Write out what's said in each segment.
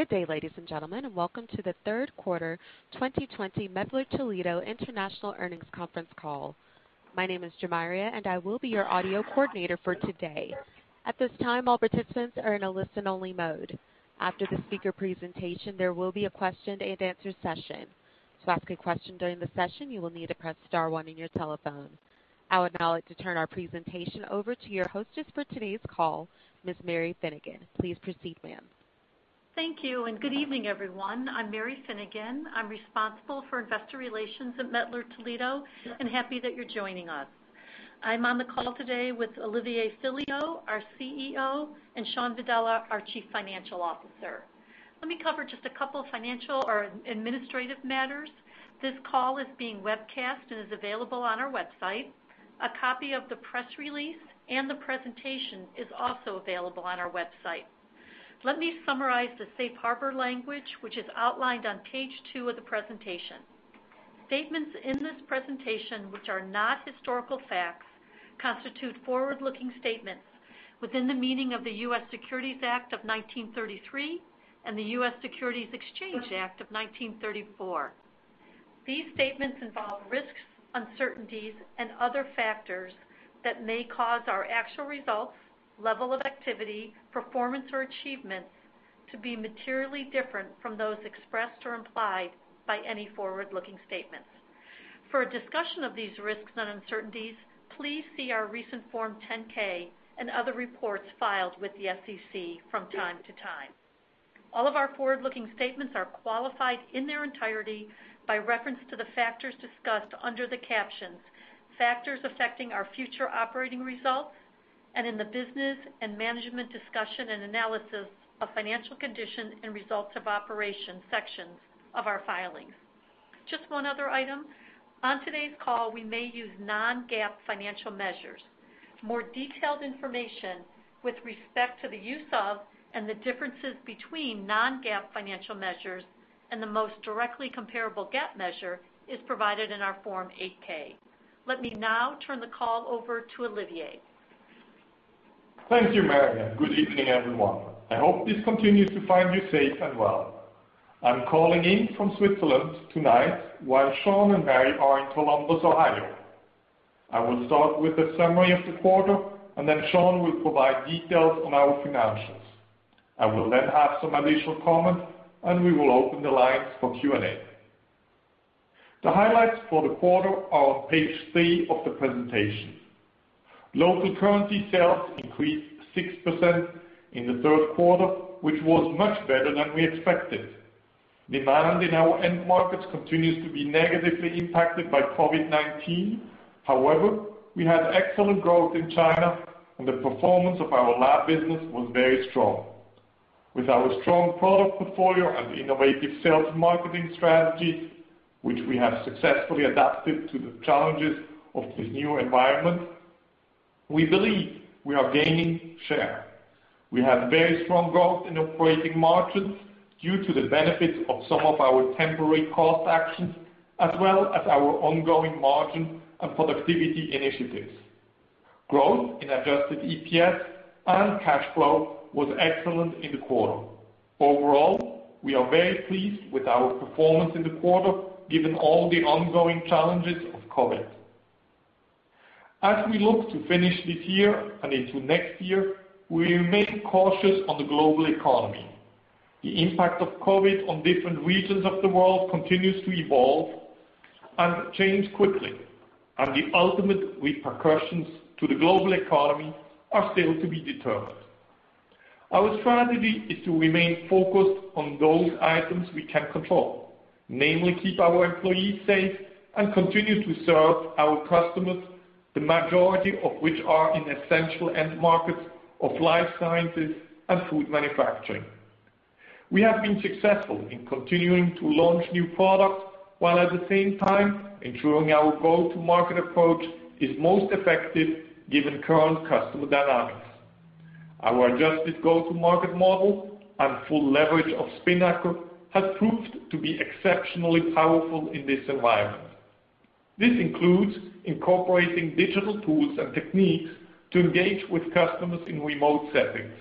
Good day, ladies and gentlemen, and welcome to the third quarter 2020 Mettler-Toledo International Earnings Conference call. My name is Jemariya, and I will be your audio coordinator for today. At this time, all participants are in a listen-only mode. After the speaker presentation, there will be a question-and-answer session. To ask a question during the session, you will need to press star one on your telephone. I would now like to turn our presentation over to your hostess for today's call, Ms. Mary Finnegan. Please proceed, ma'am. Thank you, and good evening, everyone. I'm Mary Finnegan. I'm responsible for investor relations at Mettler-Toledo, and happy that you're joining us. I'm on the call today with Olivier Filliol, our CEO, and Shawn Vadala, our Chief Financial Officer. Let me cover just a couple of financial or administrative matters. This call is being webcast and is available on our website. A copy of the press release and the presentation is also available on our website. Let me summarize the safe harbor language, which is outlined on page two of the presentation. Statements in this presentation, which are not historical facts, constitute forward-looking statements within the meaning of the U.S. Securities Act of 1933 and the U.S. Securities Exchange Act of 1934. These statements involve risks, uncertainties, and other factors that may cause our actual results, level of activity, performance, or achievements to be materially different from those expressed or implied by any forward-looking statements. For a discussion of these risks and uncertainties, please see our recent Form 10-K and other reports filed with the SEC from time to time. All of our forward-looking statements are qualified in their entirety by reference to the factors discussed under the captions, factors affecting our future operating results, and in the business and management discussion and analysis of financial condition and results of operation sections of our filings. Just one other item. On today's call, we may use non-GAAP financial measures. More detailed information with respect to the use of and the differences between non-GAAP financial measures and the most directly comparable GAAP measure is provided in our Form 8-K. Let me now turn the call over to Olivier. Thank you, Mary. Good evening, everyone. I hope this continues to find you safe and well. I'm calling in from Switzerland tonight while Shawn and Mary are in Columbus, Ohio. I will start with a summary of the quarter, and then Shawn will provide details on our financials. I will then have some additional comments, and we will open the lines for Q&A. The highlights for the quarter are on page three of the presentation. Local currency sales increased 6% in the third quarter, which was much better than we expected. Demand in our end markets continues to be negatively impacted by COVID-19. However, we had excellent growth in China, and the performance of our lab business was very strong. With our strong product portfolio and innovative sales and marketing strategies, which we have successfully adapted to the challenges of this new environment, we believe we are gaining share. We have very strong growth in operating margins due to the benefits of some of our temporary cost actions, as well as our ongoing margin and productivity initiatives. Growth in adjusted EPS and cash flow was excellent in the quarter. Overall, we are very pleased with our performance in the quarter, given all the ongoing challenges of COVID. As we look to finish this year and into next year, we remain cautious on the global economy. The impact of COVID on different regions of the world continues to evolve and change quickly, and the ultimate repercussions to the global economy are still to be determined. Our strategy is to remain focused on those items we can control, namely keep our employees safe and continue to serve our customers, the majority of which are in essential end markets of life sciences and food manufacturing. We have been successful in continuing to launch new products, while at the same time, ensuring our go-to-market approach is most effective given current customer dynamics. Our adjusted go-to-market model and full leverage of Spinnaker have proved to be exceptionally powerful in this environment. This includes incorporating digital tools and techniques to engage with customers in remote settings.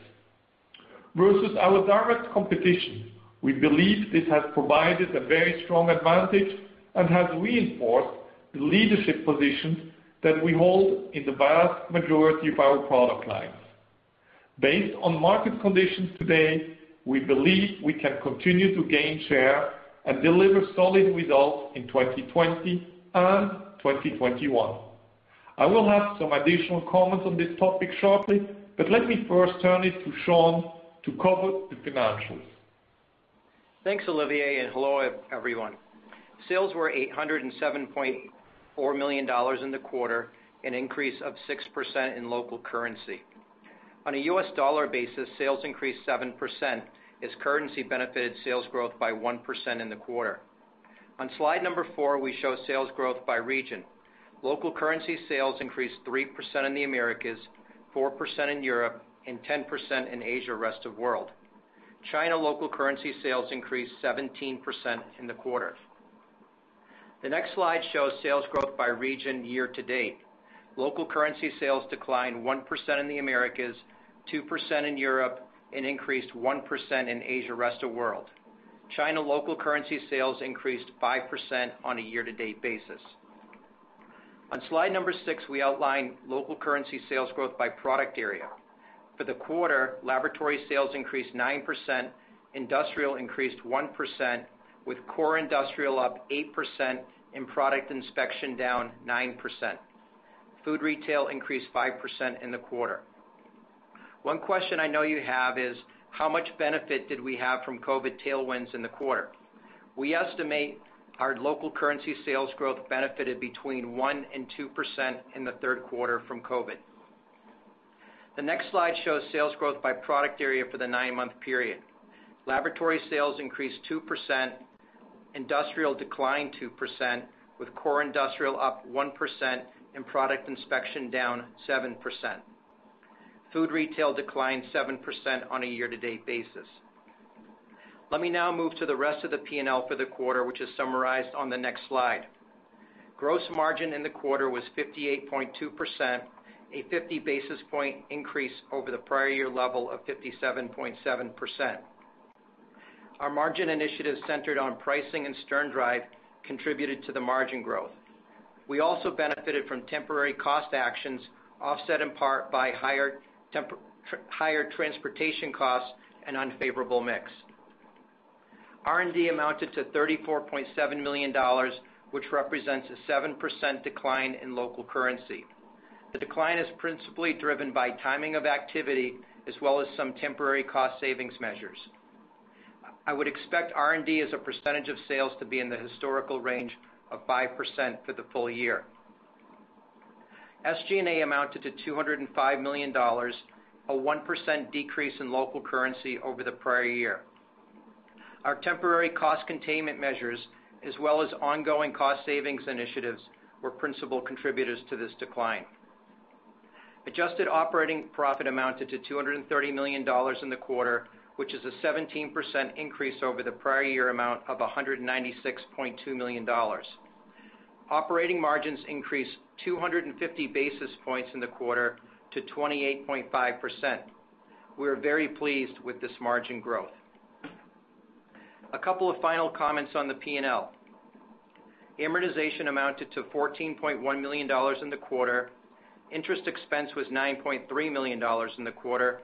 Versus our direct competition, we believe this has provided a very strong advantage and has reinforced the leadership positions that we hold in the vast majority of our product lines. Based on market conditions today, we believe we can continue to gain share and deliver solid results in 2020 and 2021. I will have some additional comments on this topic shortly, but let me first turn it to Shawn to cover the financials. Thanks, Olivier, and hello, everyone. Sales were $807.4 million in the quarter, an increase of 6% in local currency. On a U.S. dollar basis, sales increased 7%. Its currency benefited sales growth by 1% in the quarter. On slide number four, we show sales growth by region. Local currency sales increased 3% in the Americas, 4% in Europe, and 10% in Asia rest of world. China local currency sales increased 17% in the quarter. The next slide shows sales growth by region year to date. Local currency sales declined 1% in the Americas, 2% in Europe, and increased 1% in Asia rest of world. China local currency sales increased 5% on a year-to-date basis. On slide number six, we outline local currency sales growth by product area. For the quarter, laboratory sales increased 9%, industrial increased 1%, with core industrial up 8% and product inspection down 9%. Food retail increased 5% in the quarter. One question I know you have is, how much benefit did we have from COVID tailwinds in the quarter? We estimate our local currency sales growth benefited between 1% and 2% in the third quarter from COVID. The next slide shows sales growth by product area for the nine-month period. Laboratory sales increased 2%, industrial declined 2%, with core industrial up 1% and product inspection down 7%. Food retail declined 7% on a year-to-date basis. Let me now move to the rest of the P&L for the quarter, which is summarized on the next slide. Gross margin in the quarter was 58.2%, a 50 basis point increase over the prior year level of 57.7%. Our margin initiative centered on pricing and Stern Drive contributed to the margin growth. We also benefited from temporary cost actions offset in part by higher transportation costs and unfavorable mix. R&D amounted to $34.7 million, which represents a 7% decline in local currency. The decline is principally driven by timing of activity as well as some temporary cost savings measures. I would expect R&D as a percentage of sales to be in the historical range of 5% for the full year. SG&A amounted to $205 million, a 1% decrease in local currency over the prior year. Our temporary cost containment measures, as well as ongoing cost savings initiatives, were principal contributors to this decline. Adjusted operating profit amounted to $230 million in the quarter, which is a 17% increase over the prior year amount of $196.2 million. Operating margins increased 250 basis points in the quarter to 28.5%. We are very pleased with this margin growth. A couple of final comments on the P&L. Amortization amounted to $14.1 million in the quarter. Interest expense was $9.3 million in the quarter.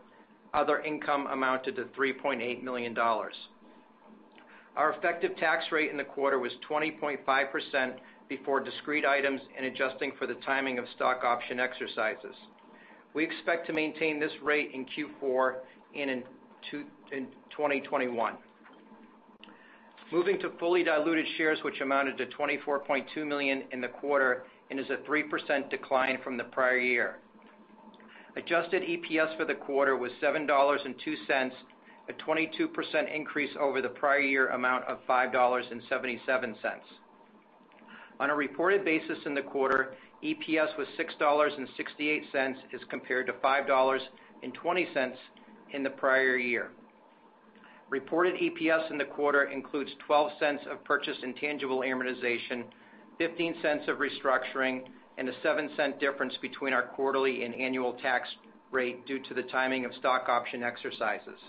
Other income amounted to $3.8 million. Our effective tax rate in the quarter was 20.5% before discrete items and adjusting for the timing of stock option exercises. We expect to maintain this rate in Q4 in 2021. Moving to fully diluted shares, which amounted to 24.2 million in the quarter and is a 3% decline from the prior year. Adjusted EPS for the quarter was $7.02, a 22% increase over the prior year amount of $5.77. On a reported basis in the quarter, EPS was $6.68 as compared to $5.20 in the prior year. Reported EPS in the quarter includes $0.12 of purchase intangible amortization, $0.15 of restructuring, and a $0.07 difference between our quarterly and annual tax rate due to the timing of stock option exercises.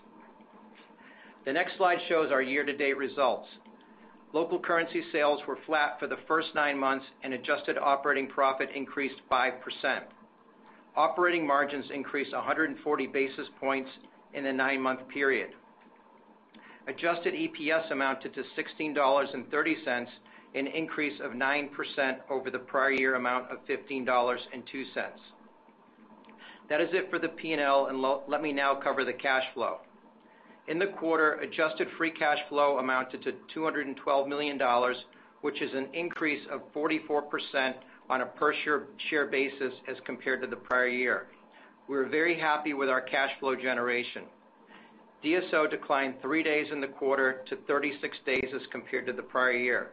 The next slide shows our year-to-date results. Local currency sales were flat for the first nine months, and adjusted operating profit increased 5%. Operating margins increased 140 basis points in the nine-month period. Adjusted EPS amounted to $16.30, an increase of 9% over the prior year amount of $15.02. That is it for the P&L, and let me now cover the cash flow. In the quarter, adjusted free cash flow amounted to $212 million, which is an increase of 44% on a per-share basis as compared to the prior year. We are very happy with our cash flow generation. DSO declined three days in the quarter to 36 days as compared to the prior year.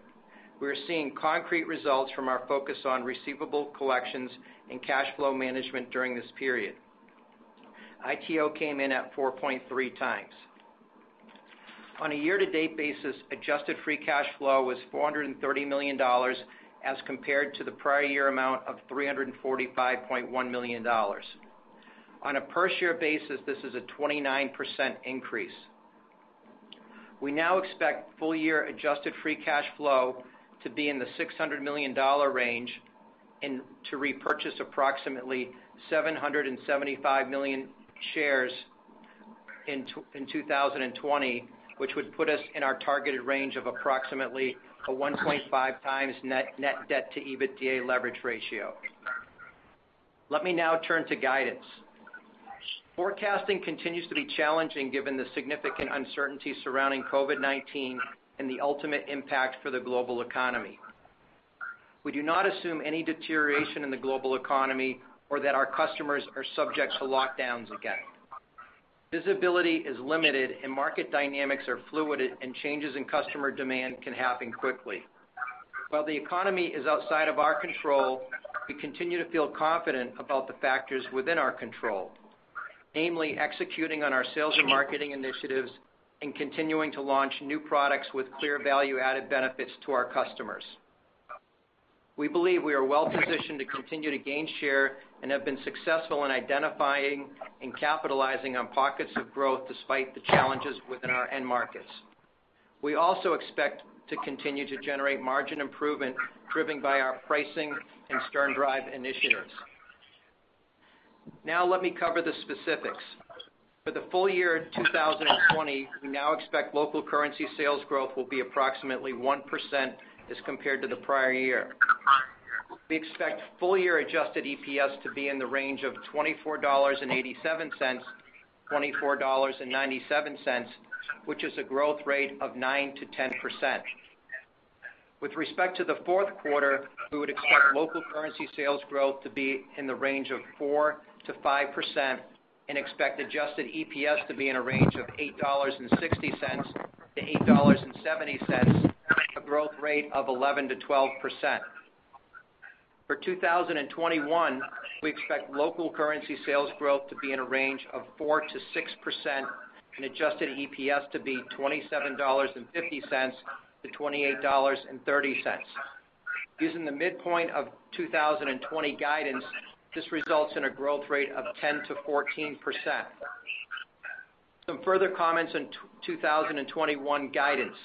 We are seeing concrete results from our focus on receivable collections and cash flow management during this period. ITO came in at 4.3 times. On a year-to-date basis, adjusted free cash flow was $430 million as compared to the prior year amount of $345.1 million. On a per-share basis, this is a 29% increase. We now expect full-year adjusted free cash flow to be in the $600 million range and to repurchase approximately 775 million shares in 2020, which would put us in our targeted range of approximately a 1.5 times net debt to EBITDA leverage ratio. Let me now turn to guidance. Forecasting continues to be challenging given the significant uncertainty surrounding COVID-19 and the ultimate impact for the global economy. We do not assume any deterioration in the global economy or that our customers are subject to lockdowns again. Visibility is limited, and market dynamics are fluid, and changes in customer demand can happen quickly. While the economy is outside of our control, we continue to feel confident about the factors within our control, namely executing on our sales and marketing initiatives and continuing to launch new products with clear value-added benefits to our customers. We believe we are well-positioned to continue to gain share and have been successful in identifying and capitalizing on pockets of growth despite the challenges within our end markets. We also expect to continue to generate margin improvement driven by our pricing and Stern Drive initiatives. Now, let me cover the specifics. For the full year 2020, we now expect local currency sales growth will be approximately 1% as compared to the prior year. We expect full-year adjusted EPS to be in the range of $24.87-$24.97, which is a growth rate of 9-10%. With respect to the fourth quarter, we would expect local currency sales growth to be in the range of 4-5% and expect adjusted EPS to be in a range of $8.60-$8.70, a growth rate of 11-12%. For 2021, we expect local currency sales growth to be in a range of 4-6% and adjusted EPS to be $27.50-$28.30. Using the midpoint of 2020 guidance, this results in a growth rate of 10-14%. Some further comments on 2021 guidance.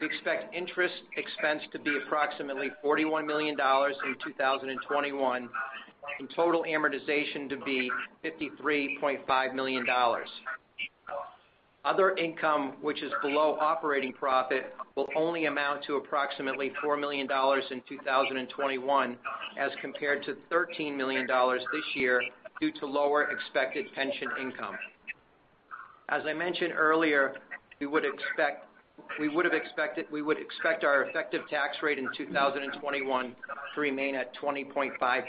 We expect interest expense to be approximately $41 million in 2021 and total amortization to be $53.5 million. Other income, which is below operating profit, will only amount to approximately $4 million in 2021 as compared to $13 million this year due to lower expected pension income. As I mentioned earlier, we would expect our effective tax rate in 2021 to remain at 20.5%.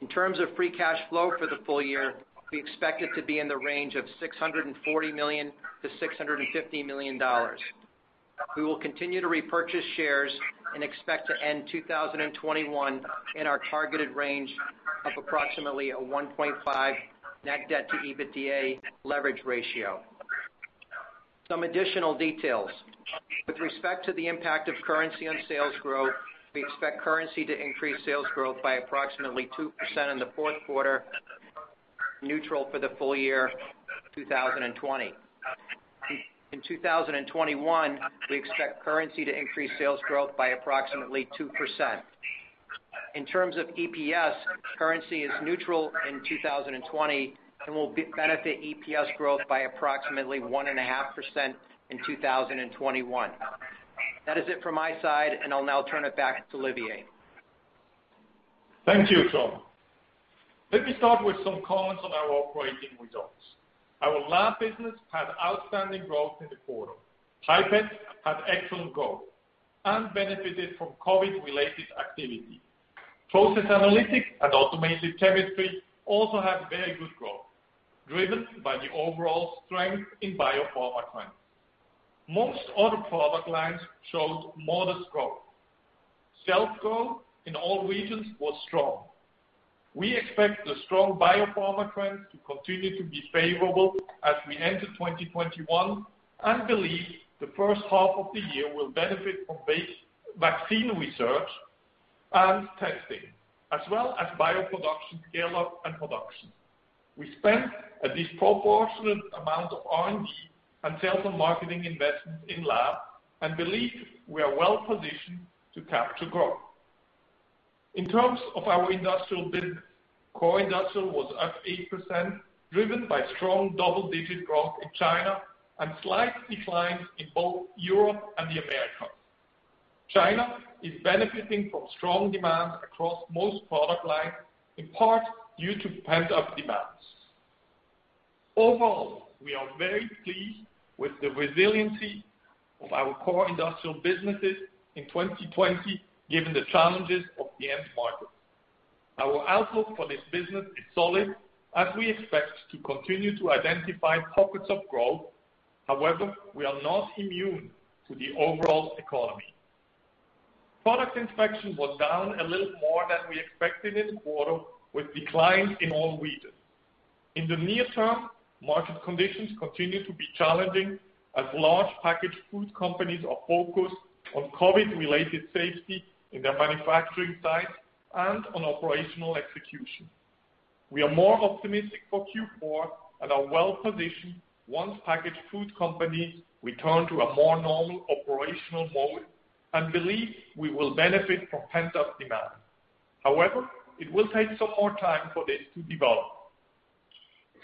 In terms of free cash flow for the full year, we expect it to be in the range of $640 million-$650 million. We will continue to repurchase shares and expect to end 2021 in our targeted range of approximately a 1.5 net debt to EBITDA leverage ratio. Some additional details. With respect to the impact of currency on sales growth, we expect currency to increase sales growth by approximately 2% in the fourth quarter, neutral for the full year 2020. In 2021, we expect currency to increase sales growth by approximately 2%. In terms of EPS, currency is neutral in 2020 and will benefit EPS growth by approximately 1.5% in 2021. That is it from my side, and I'll now turn it back to Olivier. Thank you, Tom. Let me start with some comments on our operating results. Our lab business had outstanding growth in the quarter. Hyper had excellent growth and benefited from COVID-related activity. Process Analytics and Automated Chemistry also had very good growth, driven by the overall strength in biopharma trends. Most other product lines showed modest growth. Self-growth in all regions was strong. We expect the strong biopharma trends to continue to be favorable as we enter 2021 and believe the first half of the year will benefit from vaccine research and testing, as well as bio production scale-up and production. We spent a disproportionate amount of R&D and sales and marketing investments in lab and believe we are well-positioned to capture growth. In terms of our industrial business, Core Industrial was up 8%, driven by strong double-digit growth in China and slight declines in both Europe and the Americas. China is benefiting from strong demand across most product lines, in part due to pent-up demands. Overall, we are very pleased with the resiliency of our core industrial businesses in 2020, given the challenges of the end market. Our outlook for this business is solid, as we expect to continue to identify pockets of growth. However, we are not immune to the overall economy. Product inspection was down a little more than we expected in the quarter, with declines in all regions. In the near term, market conditions continue to be challenging as large packaged food companies are focused on COVID-related safety in their manufacturing sites and on operational execution. We are more optimistic for Q4 and are well-positioned once packaged food companies return to a more normal operational mode and believe we will benefit from pent-up demand. However, it will take some more time for this to develop.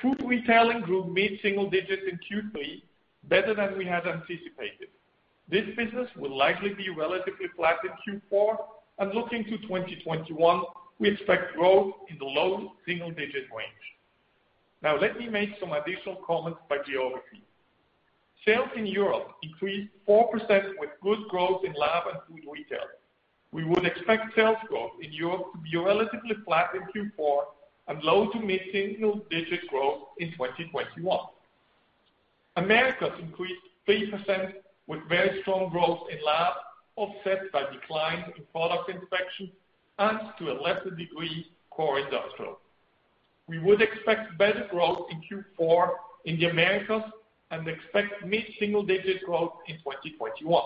Food retailing grew mid-single digits in Q3, better than we had anticipated. This business will likely be relatively flat in Q4, and looking to 2021, we expect growth in the low single-digit range. Now, let me make some additional comments by geography. Sales in Europe increased 4% with good growth in lab and food retail. We would expect sales growth in Europe to be relatively flat in Q4 and low to mid-single digit growth in 2021. Americas increased 3% with very strong growth in lab, offset by declines in product inspection and to a lesser degree core industrial. We would expect better growth in Q4 in the Americas and expect mid-single digit growth in 2021.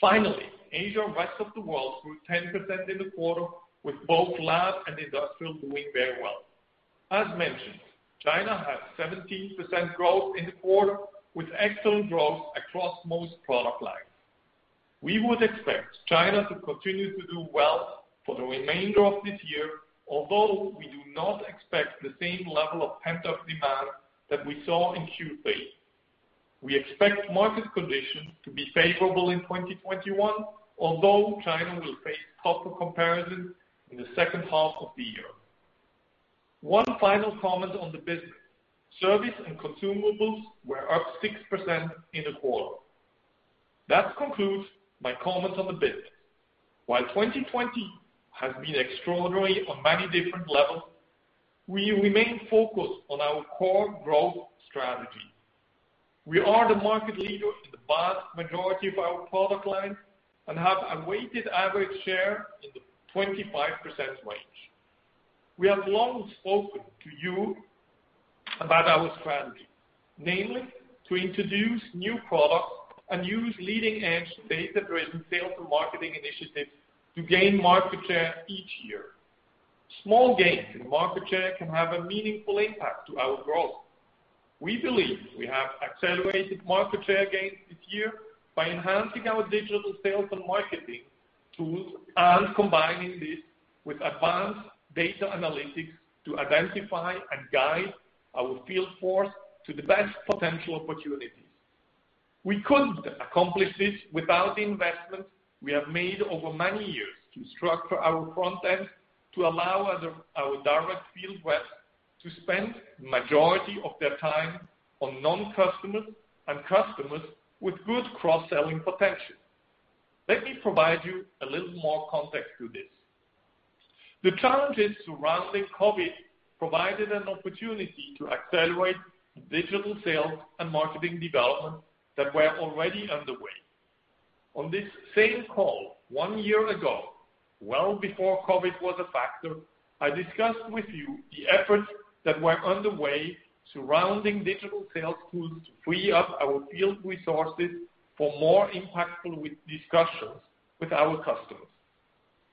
Finally, Asia and rest of the world grew 10% in the quarter, with both lab and industrial doing very well. As mentioned, China had 17% growth in the quarter, with excellent growth across most product lines. We would expect China to continue to do well for the remainder of this year, although we do not expect the same level of pent-up demand that we saw in Q3. We expect market conditions to be favorable in 2021, although China will face tougher comparisons in the second half of the year. One final comment on the business. Service and consumables were up 6% in the quarter. That concludes my comments on the business. While 2020 has been extraordinary on many different levels, we remain focused on our core growth strategy. We are the market leader in the vast majority of our product lines and have a weighted average share in the 25% range. We have long spoken to you about our strategy, namely to introduce new products and use leading-edge data-driven sales and marketing initiatives to gain market share each year. Small gains in market share can have a meaningful impact on our growth. We believe we have accelerated market share gains this year by enhancing our digital sales and marketing tools and combining this with advanced data analytics to identify and guide our field force to the best potential opportunities. We could not accomplish this without the investment we have made over many years to structure our front end to allow our direct field reps to spend the majority of their time on non-customers and customers with good cross-selling potential. Let me provide you a little more context to this. The challenges surrounding COVID provided an opportunity to accelerate digital sales and marketing development that were already underway. On this same call one year ago, well before COVID was a factor, I discussed with you the efforts that were underway surrounding digital sales tools to free up our field resources for more impactful discussions with our customers.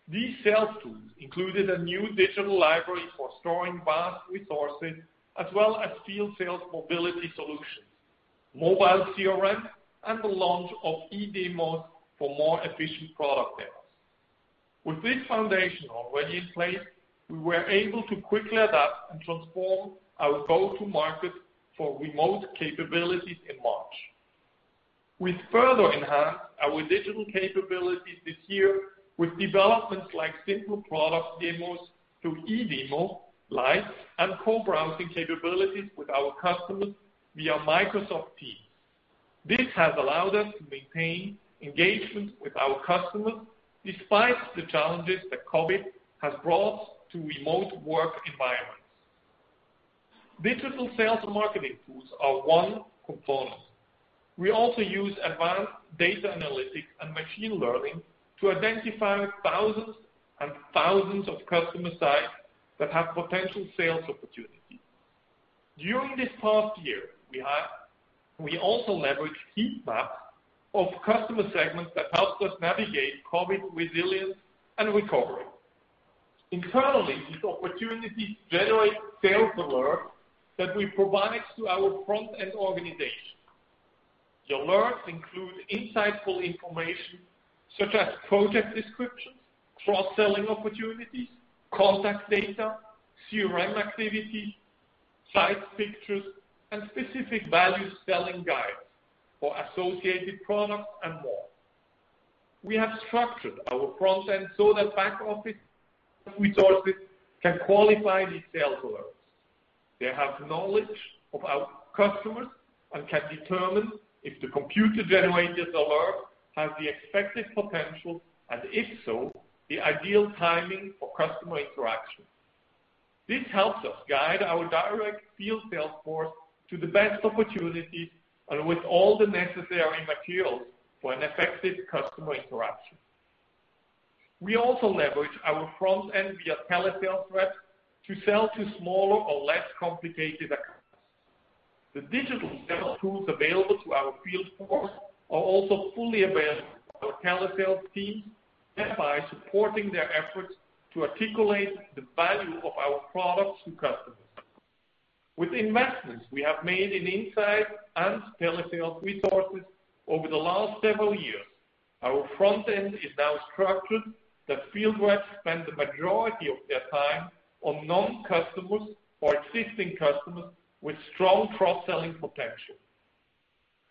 These sales tools included a new digital library for storing vast resources, as well as field sales mobility solutions, mobile CRM, and the launch of e-demos for more efficient product demos. With this foundation already in place, we were able to quickly adapt and transform our go-to-market for remote capabilities in March. We further enhanced our digital capabilities this year with developments like simple product demos through e-demo live and co-browsing capabilities with our customers via Microsoft Teams. This has allowed us to maintain engagement with our customers despite the challenges that COVID has brought to remote work environments. Digital sales and marketing tools are one component. We also use advanced data analytics and machine learning to identify thousands and thousands of customer sites that have potential sales opportunities. During this past year, we also leveraged heat maps of customer segments that helped us navigate COVID resilience and recovery. Internally, these opportunities generate sales alerts that we provide to our front-end organization. The alerts include insightful information such as project descriptions, cross-selling opportunities, contact data, CRM activities, site pictures, and specific value selling guides for associated products and more. We have structured our front end so that back office resources can qualify these sales alerts. They have knowledge of our customers and can determine if the computer-generated alert has the expected potential and, if so, the ideal timing for customer interaction. This helps us guide our direct field sales force to the best opportunities and with all the necessary materials for an effective customer interaction. We also leverage our front end via telesales reps to sell to smaller or less complicated accounts. The digital sales tools available to our field force are also fully available to our telesales teams, thereby supporting their efforts to articulate the value of our products to customers. With investments we have made in insights and telesales resources over the last several years, our front end is now structured that field reps spend the majority of their time on non-customers or existing customers with strong cross-selling potential.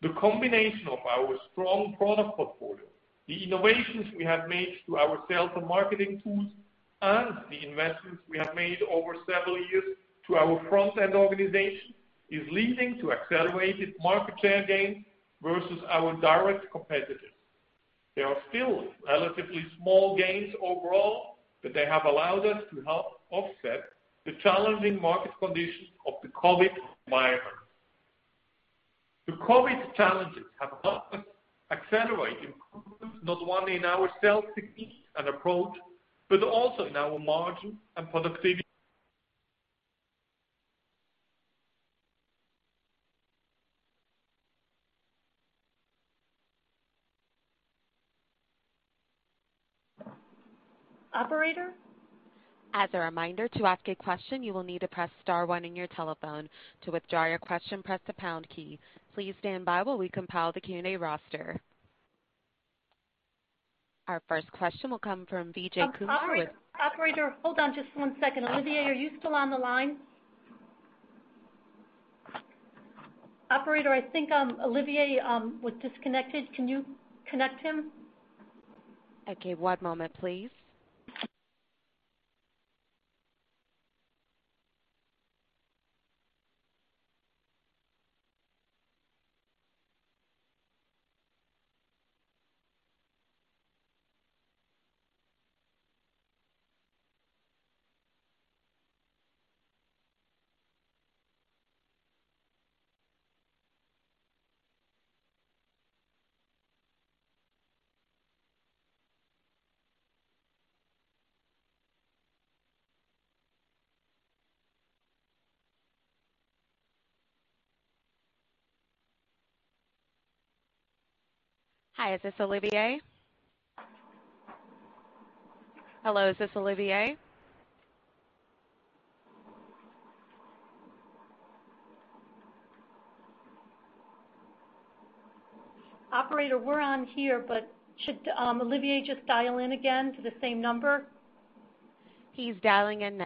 The combination of our strong product portfolio, the innovations we have made to our sales and marketing tools, and the investments we have made over several years to our front-end organization is leading to accelerated market share gains versus our direct competitors. There are still relatively small gains overall, but they have allowed us to help offset the challenging market conditions of the COVID environment. The COVID challenges have helped us accelerate improvement not only in our sales techniques and approach, but also in our margin and productivity. Operator. As a reminder, to ask a question, you will need to press star one on your telephone. To withdraw your question, press the pound key. Please stand by while we compile the Q&A roster. Our first question will come from Vijay Kumar with. Operator, hold on just one second. Olivier, are you still on the line? Operator, I think Olivier was disconnected. Can you connect him? Okay. One moment, please. Hi. Is this Olivier? Hello. Is this Olivier? Operator, we're on here, but should Olivier just dial in again to the same number? He's dialing in now.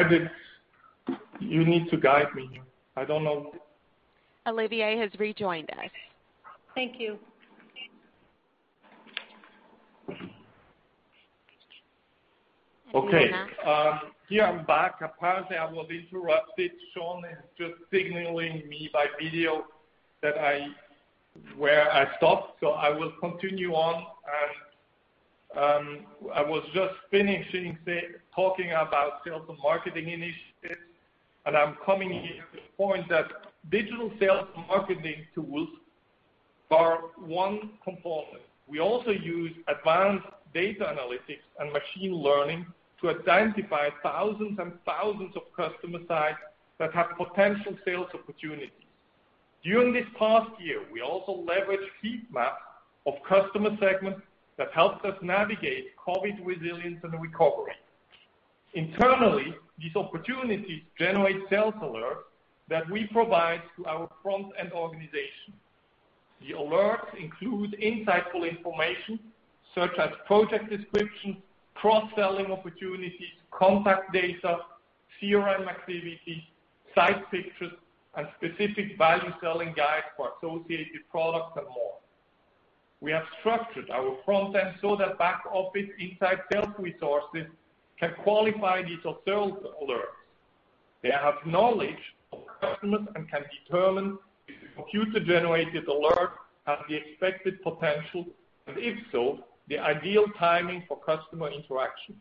Sure. Yeah. Where did you need to guide me? I don't know. Olivier has rejoined us. Thank you. Okay. Okay. Here I'm back. Apparently, I was interrupted. Shawn is just signaling me by video where I stopped, so I will continue on. I was just finishing talking about sales and marketing initiatives, and I'm coming to the point that digital sales and marketing tools are one component. We also use advanced data analytics and machine learning to identify thousands and thousands of customer sites that have potential sales opportunities. During this past year, we also leveraged heat maps of customer segments that helped us navigate COVID resilience and recovery. Internally, these opportunities generate sales alerts that we provide to our front-end organization. The alerts include insightful information such as project descriptions, cross-selling opportunities, contact data, CRM activities, site pictures, specific value selling guides for associated products, and more. We have structured our front end so that back office inside sales resources can qualify these sales alerts. They have knowledge of customers and can determine if the computer-generated alert has the expected potential and, if so, the ideal timing for customer interaction.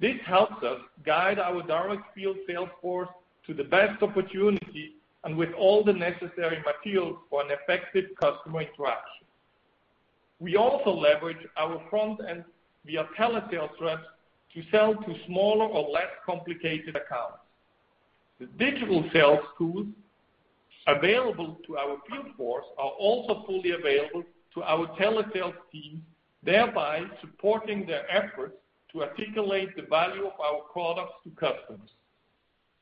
This helps us guide our direct field sales force to the best opportunity and with all the necessary materials for an effective customer interaction. We also leverage our front end via telesales reps to sell to smaller or less complicated accounts. The digital sales tools available to our field force are also fully available to our telesales teams, thereby supporting their efforts to articulate the value of our products to customers.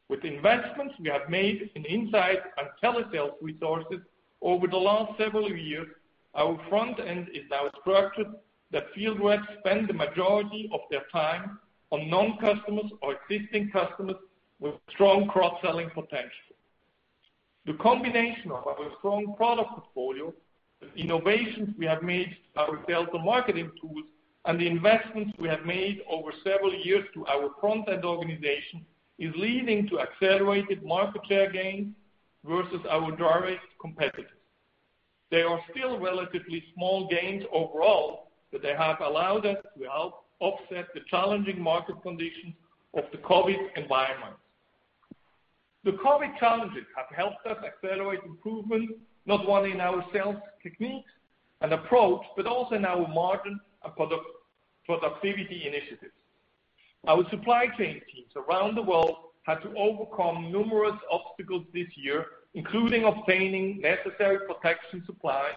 With investments we have made in insights and telesales resources over the last several years, our front end is now structured that field reps spend the majority of their time on non-customers or existing customers with strong cross-selling potential. The combination of our strong product portfolio, the innovations we have made to our sales and marketing tools, and the investments we have made over several years to our front-end organization is leading to accelerated market share gains versus our direct competitors. They are still relatively small gains overall, but they have allowed us to help offset the challenging market conditions of the COVID environment. The COVID challenges have helped us accelerate improvement not only in our sales techniques and approach, but also in our margin and productivity initiatives. Our supply chain teams around the world had to overcome numerous obstacles this year, including obtaining necessary protection supplies,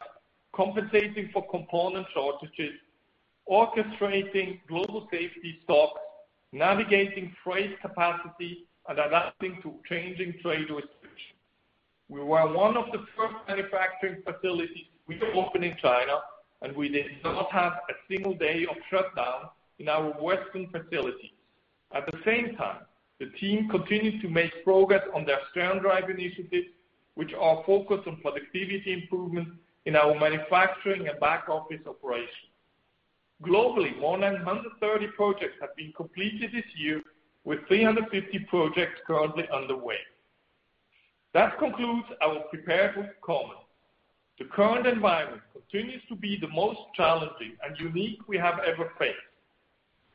compensating for component shortages, orchestrating global safety stocks, navigating freight capacity, and adapting to changing trade restrictions. We were one of the first manufacturing facilities to reopen in China, and we did not have a single day of shutdown in our western facilities. At the same time, the team continued to make progress on their Stern Drive initiatives, which are focused on productivity improvements in our manufacturing and back office operations. Globally, more than 130 projects have been completed this year, with 350 projects currently underway. That concludes our preparedness comment. The current environment continues to be the most challenging and unique we have ever faced.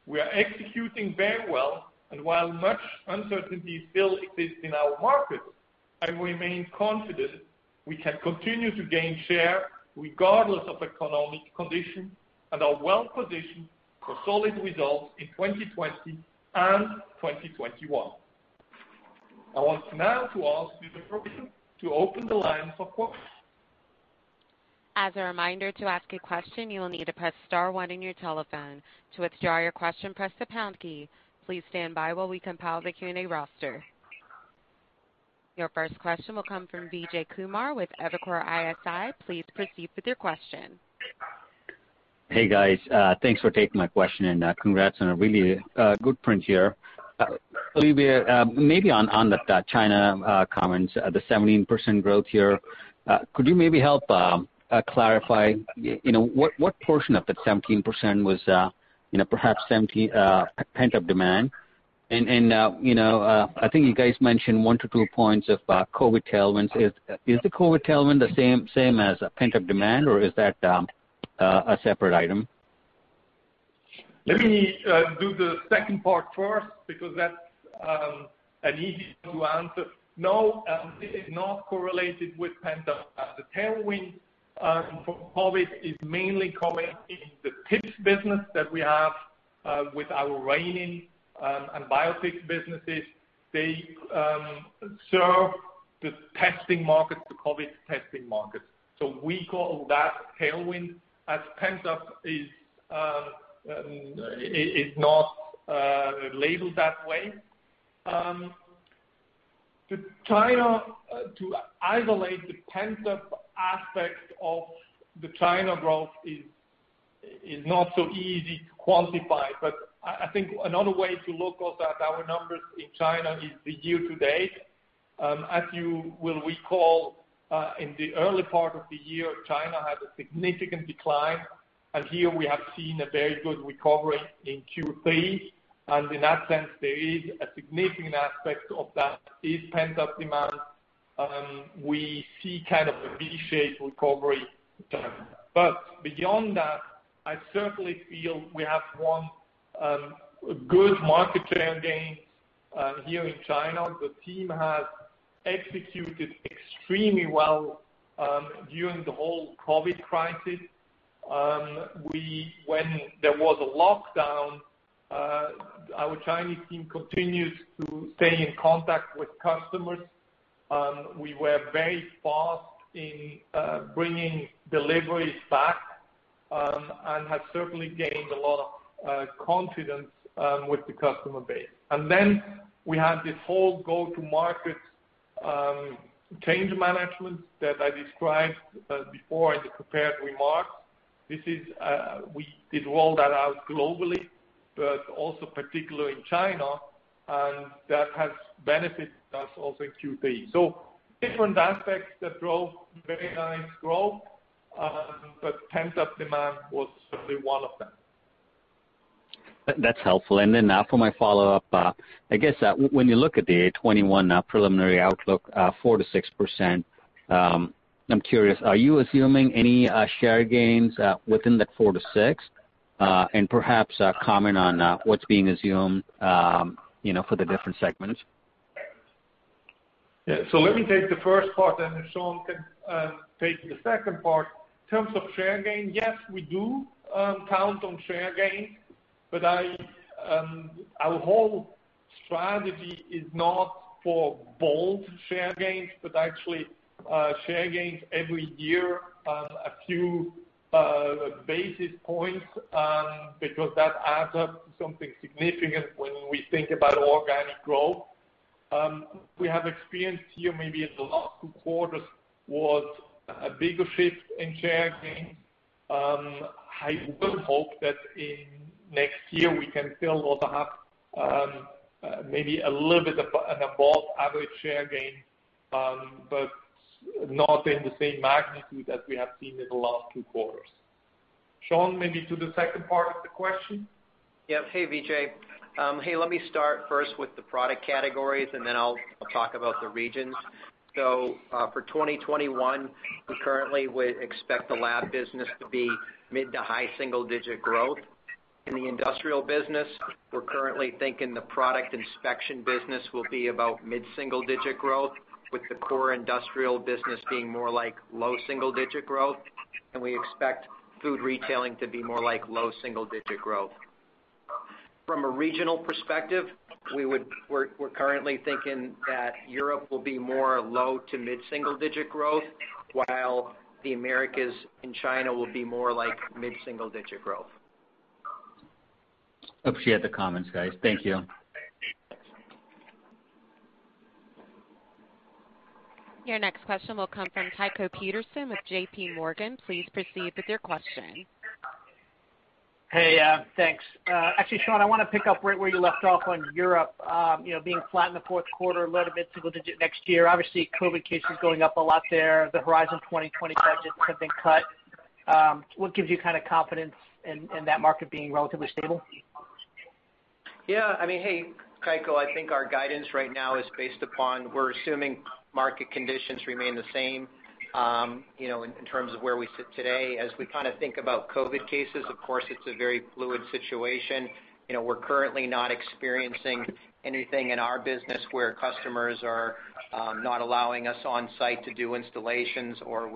We are executing very well, and while much uncertainty still exists in our markets, I remain confident we can continue to gain share regardless of economic conditions and are well positioned for solid results in 2020 and 2021. I want now to ask Vijay Kumar to open the line for questions. As a reminder to ask a question, you will need to press star one on your telephone. To withdraw your question, press the pound key. Please stand by while we compile the Q&A roster. Your first question will come from Vijay Kumar with Evercore ISI. Please proceed with your question. Hey, guys. Thanks for taking my question, and congrats on a really good print here. Olivier, maybe on that China comments, the 17% growth here, could you maybe help clarify what portion of that 17% was perhaps a pent-up demand? I think you guys mentioned one to two points of COVID tailwinds. Is the COVID tailwind the same as a pent-up demand, or is that a separate item? Let me do the second part first because that's an easy one to answer. No, this is not correlated with pent-up. The tailwind for COVID is mainly coming in the tips business that we have with our Rainin and biotech businesses. They serve the testing markets, the COVID testing markets. We call that tailwind, as pent-up is not labeled that way. To isolate the pent-up aspect of the China growth is not so easy to quantify, but I think another way to look at our numbers in China is the year-to-date. As you will recall, in the early part of the year, China had a significant decline, and here we have seen a very good recovery in Q3. In that sense, there is a significant aspect of that is pent-up demand. We see kind of a V-shaped recovery trend. Beyond that, I certainly feel we have won good market share gains here in China. The team has executed extremely well during the whole COVID crisis. When there was a lockdown, our Chinese team continued to stay in contact with customers. We were very fast in bringing deliveries back and have certainly gained a lot of confidence with the customer base. We had this whole go-to-market change management that I described before in the prepared remarks. We did roll that out globally, but also particularly in China, and that has benefited us also in Q3. Different aspects drove very nice growth, but pent-up demand was certainly one of them. That's helpful. For my follow-up, I guess when you look at the 2021 preliminary outlook, 4-6%, I'm curious, are you assuming any share gains within that 4-6%? Perhaps comment on what's being assumed for the different segments. Yeah. Let me take the first part, and then Shawn can take the second part. In terms of share gain, yes, we do count on share gains, but our whole strategy is not for bold share gains, but actually share gains every year, a few basis points, because that adds up to something significant when we think about organic growth. What we have experienced here, maybe in the last two quarters, was a bigger shift in share gains. I would hope that in next year we can still also have maybe a little bit above average share gains, but not in the same magnitude as we have seen in the last two quarters. Shawn, maybe to the second part of the question. Yeah. Hey, Vijay. Hey, let me start first with the product categories, and then I'll talk about the regions. For 2021, we currently would expect the lab business to be mid to high single-digit growth. In the industrial business, we're currently thinking the product inspection business will be about mid-single-digit growth, with the core industrial business being more like low single-digit growth, and we expect food retailing to be more like low single-digit growth. From a regional perspective, we're currently thinking that Europe will be more low to mid-single-digit growth, while the Americas and China will be more like mid-single-digit growth. Appreciate the comments, guys. Thank you. Your next question will come from Tycho Peterson with JPMorgan. Please proceed with your question. Hey, thanks. Actually, Shawn, I want to pick up right where you left off on Europe, being flat in the fourth quarter, a little bit single-digit next year. Obviously, COVID cases going up a lot there. The Horizon 2020 budgets have been cut. What gives you kind of confidence in that market being relatively stable? Yeah. I mean, hey, Tycho, I think our guidance right now is based upon we're assuming market conditions remain the same in terms of where we sit today. As we kind of think about COVID cases, of course, it's a very fluid situation. We're currently not experiencing anything in our business where customers are not allowing us on-site to do installations, or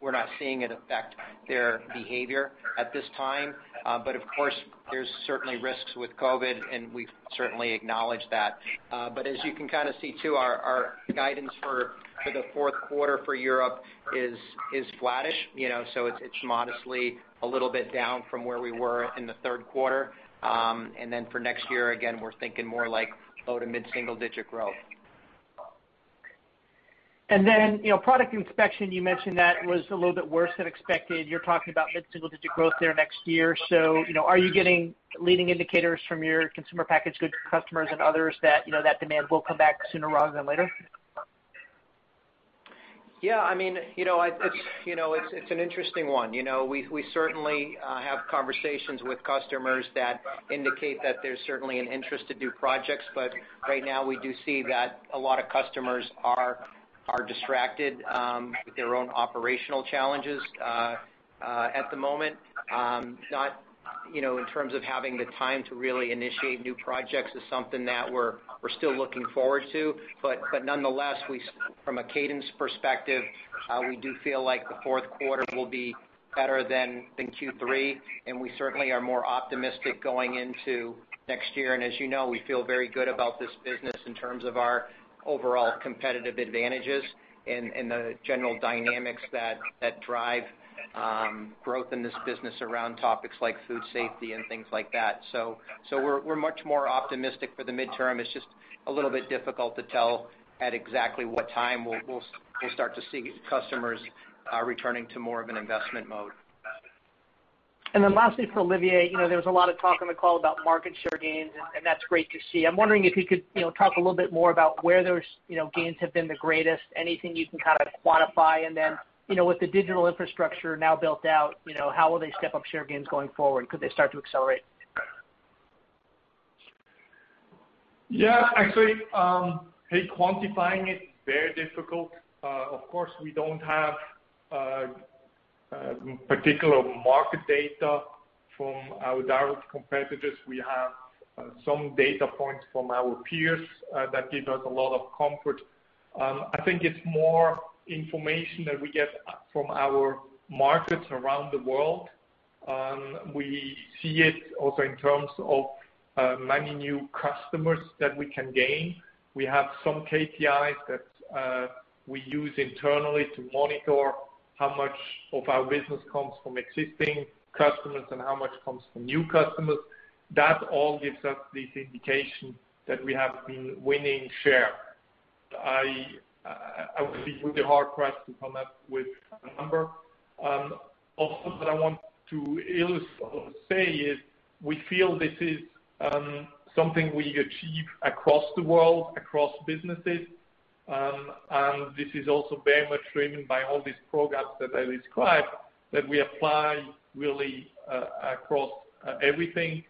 we're not seeing it affect their behavior at this time. Of course, there's certainly risks with COVID, and we certainly acknowledge that. As you can kind of see too, our guidance for the fourth quarter for Europe is flattish. It is modestly a little bit down from where we were in the third quarter. For next year, again, we're thinking more like low to mid-single-digit growth. Product inspection, you mentioned that was a little bit worse than expected. You're talking about mid-single-digit growth there next year. Are you getting leading indicators from your consumer packaged goods customers and others that that demand will come back sooner rather than later? Yeah. I mean, it's an interesting one. We certainly have conversations with customers that indicate that there's certainly an interest to do projects, but right now we do see that a lot of customers are distracted with their own operational challenges at the moment. In terms of having the time to really initiate new projects is something that we're still looking forward to. Nonetheless, from a cadence perspective, we do feel like the fourth quarter will be better than Q3, and we certainly are more optimistic going into next year. As you know, we feel very good about this business in terms of our overall competitive advantages and the general dynamics that drive growth in this business around topics like food safety and things like that. We are much more optimistic for the midterm. It's just a little bit difficult to tell at exactly what time we'll start to see customers returning to more of an investment mode. Lastly, for Olivier, there was a lot of talk on the call about market share gains, and that's great to see. I'm wondering if you could talk a little bit more about where those gains have been the greatest, anything you can kind of quantify. With the digital infrastructure now built out, how will they step up share gains going forward? Could they start to accelerate? Yeah. Actually, hey, quantifying it is very difficult. Of course, we do not have particular market data from our direct competitors. We have some data points from our peers that give us a lot of comfort. I think it is more information that we get from our markets around the world. We see it also in terms of many new customers that we can gain. We have some KPIs that we use internally to monitor how much of our business comes from existing customers and how much comes from new customers. That all gives us this indication that we have been winning share. I would be really hard-pressed to come up with a number. Also, what I want to say is we feel this is something we achieve across the world, across businesses. This is also very much driven by all these programs that I described that we apply really across everything.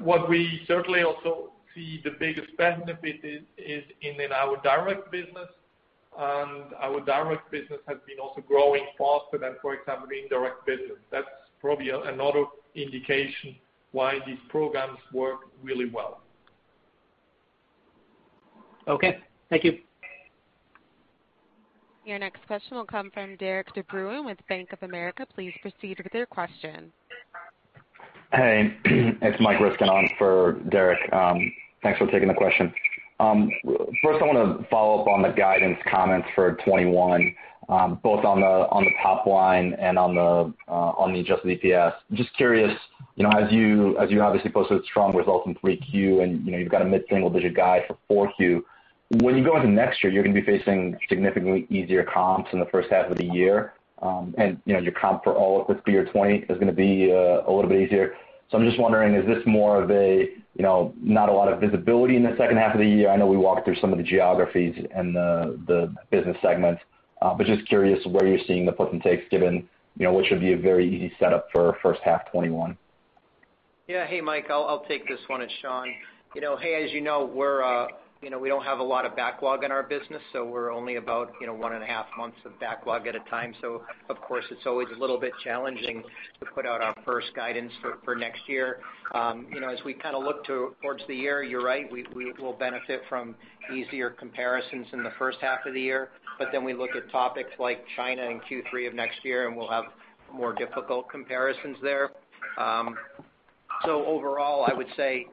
What we certainly also see the biggest benefit is in our direct business, and our direct business has been also growing faster than, for example, the indirect business. That's probably another indication why these programs work really well. Okay. Thank you. Your next question will come from Derek De Bruin with Bank of America. Please proceed with your question. Hey, it's Mike Riskinon for Derek. Thanks for taking the question. First, I want to follow up on the guidance comments for 2021, both on the top line and on the adjusted EPS. Just curious, as you obviously posted a strong result in 3Q and you've got a mid-single-digit guide for 4Q, when you go into next year, you're going to be facing significantly easier comps in the first half of the year. And your comp for all of this be your 2020 is going to be a little bit easier. Just wondering, is this more of a not a lot of visibility in the second half of the year? I know we walked through some of the geographies and the business segments, but just curious where you're seeing the puts and takes given which would be a very easy setup for first half 2021. Yeah. Hey, Mike, I'll take this one as Shawn. Hey, as you know, we don't have a lot of backlog in our business, so we're only about one and a half months of backlog at a time. Of course, it's always a little bit challenging to put out our first guidance for next year. As we kind of look towards the year, you're right, we will benefit from easier comparisons in the first half of the year. We look at topics like China and Q3 of next year, and we'll have more difficult comparisons there. Overall, I would say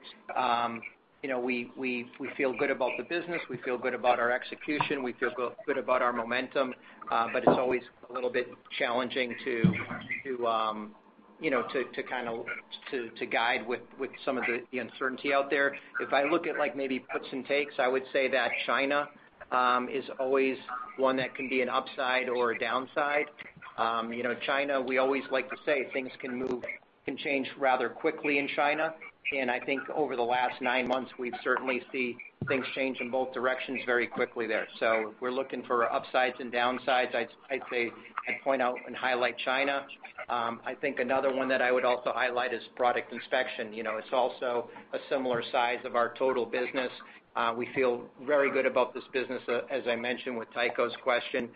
we feel good about the business. We feel good about our execution. We feel good about our momentum. It's always a little bit challenging to kind of guide with some of the uncertainty out there. If I look at maybe puts and takes, I would say that China is always one that can be an upside or a downside. China, we always like to say things can change rather quickly in China. I think over the last nine months, we've certainly seen things change in both directions very quickly there. If we're looking for upsides and downsides, I'd say I'd point out and highlight China. I think another one that I would also highlight is product inspection. It's also a similar size of our total business. We feel very good about this business, as I mentioned with Tycho's question.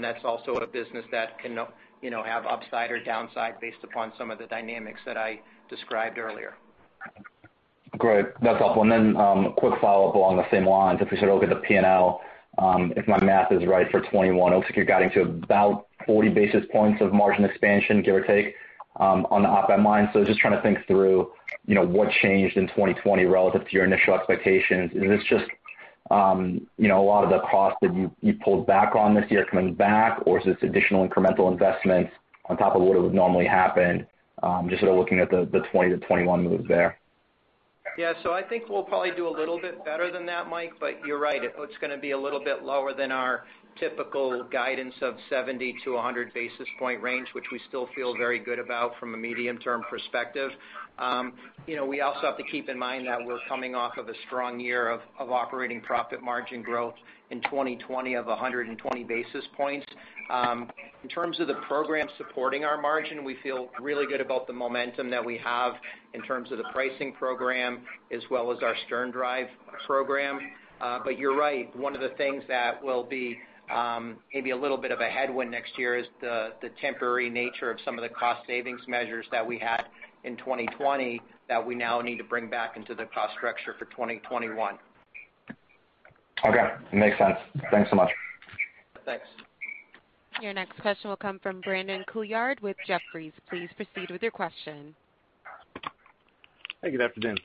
That's also a business that can have upside or downside based upon some of the dynamics that I described earlier. Great. That's helpful. Then a quick follow-up along the same lines. If we sort of look at the P&L, if my math is right for 2021, it looks like you're guiding to about 40 basis points of margin expansion, give or take, on the OpEx line. Just trying to think through what changed in 2020 relative to your initial expectations. Is this just a lot of the cost that you pulled back on this year coming back, or is this additional incremental investments on top of what would normally happen? Just sort of looking at the 2020 to 2021 moves there. Yeah. I think we'll probably do a little bit better than that, Mike, but you're right. It's going to be a little bit lower than our typical guidance of 70-100 basis point range, which we still feel very good about from a medium-term perspective. We also have to keep in mind that we're coming off of a strong year of operating profit margin growth in 2020 of 120 basis points. In terms of the program supporting our margin, we feel really good about the momentum that we have in terms of the pricing program as well as our Stern Drive program. You are right, one of the things that will be maybe a little bit of a headwind next year is the temporary nature of some of the cost savings measures that we had in 2020 that we now need to bring back into the cost structure for 2021. Okay. Makes sense. Thanks so much. Thanks. Your next question will come from Brandon Couillard with Jefferies. Please proceed with your question. Hey, good afternoon.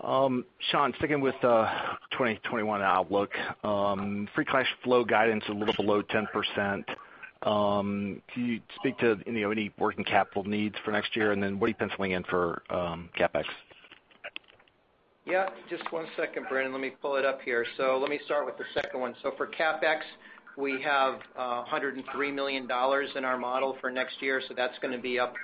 Shawn, sticking with the 2021 outlook, free cash flow guidance is a little below 10%. Can you speak to any working capital needs for next year? What are you penciling in for CapEx? Yeah. Just one second, Brandon. Let me pull it up here. Let me start with the second one. For CapEx, we have $103 million in our model for next year. That's going to be up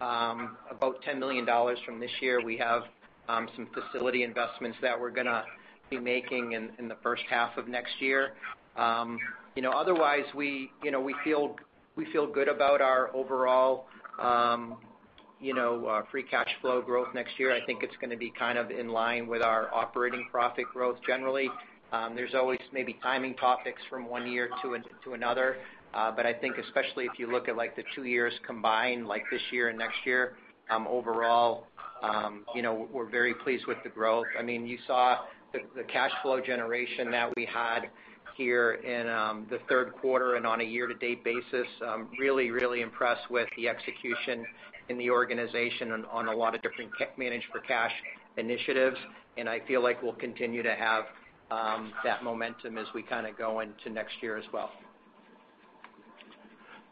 about $10 million from this year. We have some facility investments that we're going to be making in the first half of next year. Otherwise, we feel good about our overall free cash flow growth next year. I think it's going to be kind of in line with our operating profit growth generally. There's always maybe timing topics from one year to another. I think especially if you look at the two years combined, like this year and next year, overall, we're very pleased with the growth. I mean, you saw the cash flow generation that we had here in the third quarter and on a year-to-date basis. Really, really impressed with the execution in the organization on a lot of different managed-for-cash initiatives. I feel like we'll continue to have that momentum as we kind of go into next year as well.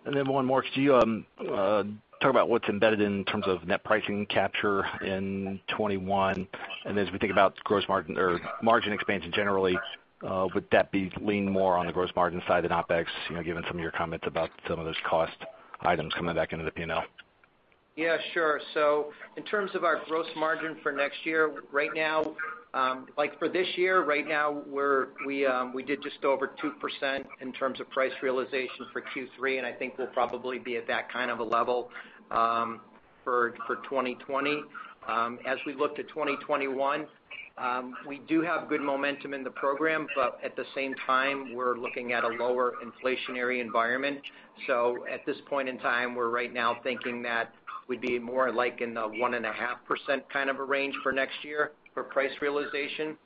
Could you talk about what's embedded in terms of net pricing capture in 2021? As we think about gross margin or margin expansion generally, would that lean more on the gross margin side than OpEx, given some of your comments about some of those cost items coming back into the P&L? Yeah, sure. In terms of our gross margin for next year, right now, for this year, right now, we did just over 2% in terms of price realization for Q3. I think we'll probably be at that kind of a level for 2020. As we look to 2021, we do have good momentum in the program, but at the same time, we're looking at a lower inflationary environment. At this point in time, we're right now thinking that we'd be more like in the 1.5% kind of a range for next year for price realization.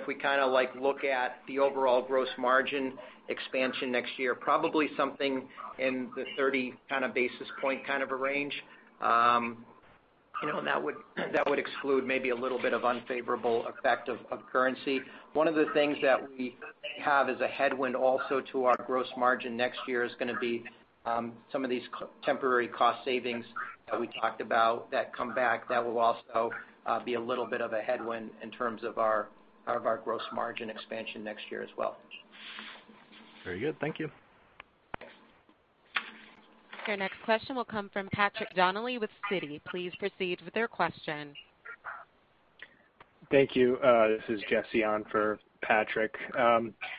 If we kind of look at the overall gross margin expansion next year, probably something in the 30 basis point kind of a range. That would exclude maybe a little bit of unfavorable effect of currency. One of the things that we have as a headwind also to our gross margin next year is going to be some of these temporary cost savings that we talked about that come back. That will also be a little bit of a headwind in terms of our gross margin expansion next year as well. Very good. Thank you. Your next question will come from Patrick Donnelly with Citi. Please proceed with your question. Thank you. This is Jesse on for Patrick.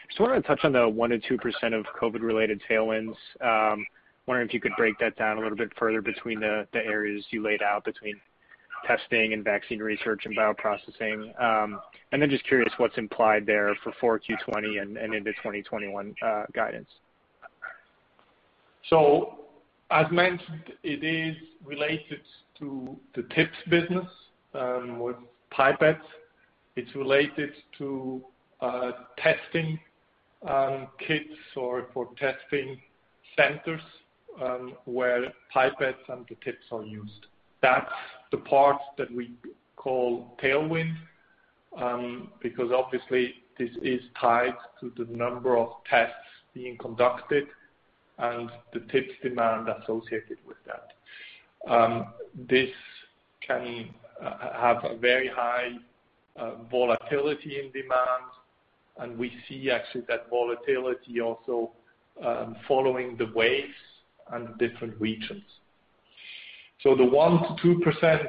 Just wanted to touch on the 1-2% of COVID-related tailwinds. Wondering if you could break that down a little bit further between the areas you laid out between testing and vaccine research and bioprocessing. Just curious what's implied there for 4Q2020 and into 2021 guidance. As mentioned, it is related to the tips business with pipettes. It's related to testing kits or for testing centers where pipettes and the tips are used. That's the part that we call tailwind because obviously this is tied to the number of tests being conducted and the tips demand associated with that. This can have a very high volatility in demand. We see actually that volatility also following the waves in different regions. The 1-2%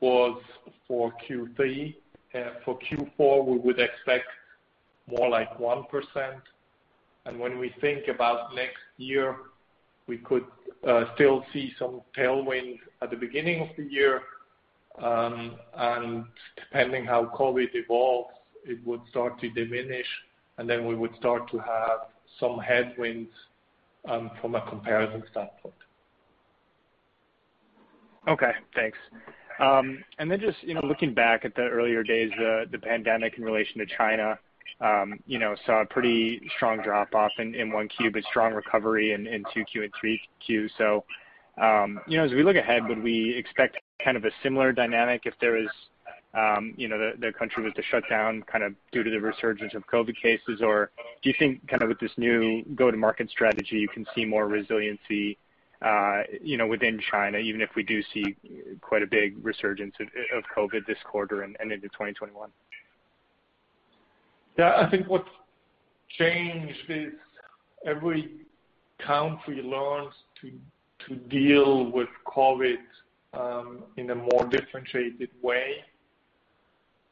was for Q3. For Q4, we would expect more like 1%. When we think about next year, we could still see some tailwind at the beginning of the year. Depending on how COVID evolves, it would start to diminish. Then we would start to have some headwinds from a comparison standpoint. Okay. Thanks. Just looking back at the earlier days, the pandemic in relation to China saw a pretty strong drop-off in Q1, but strong recovery in Q2 and Q3. As we look ahead, would we expect kind of a similar dynamic if the country was to shut down due to the resurgence of COVID cases? Do you think with this new go-to-market strategy, you can see more resiliency within China, even if we do see quite a big resurgence of COVID this quarter and into 2021? Yeah. I think what's changed is every country learns to deal with COVID in a more differentiated way.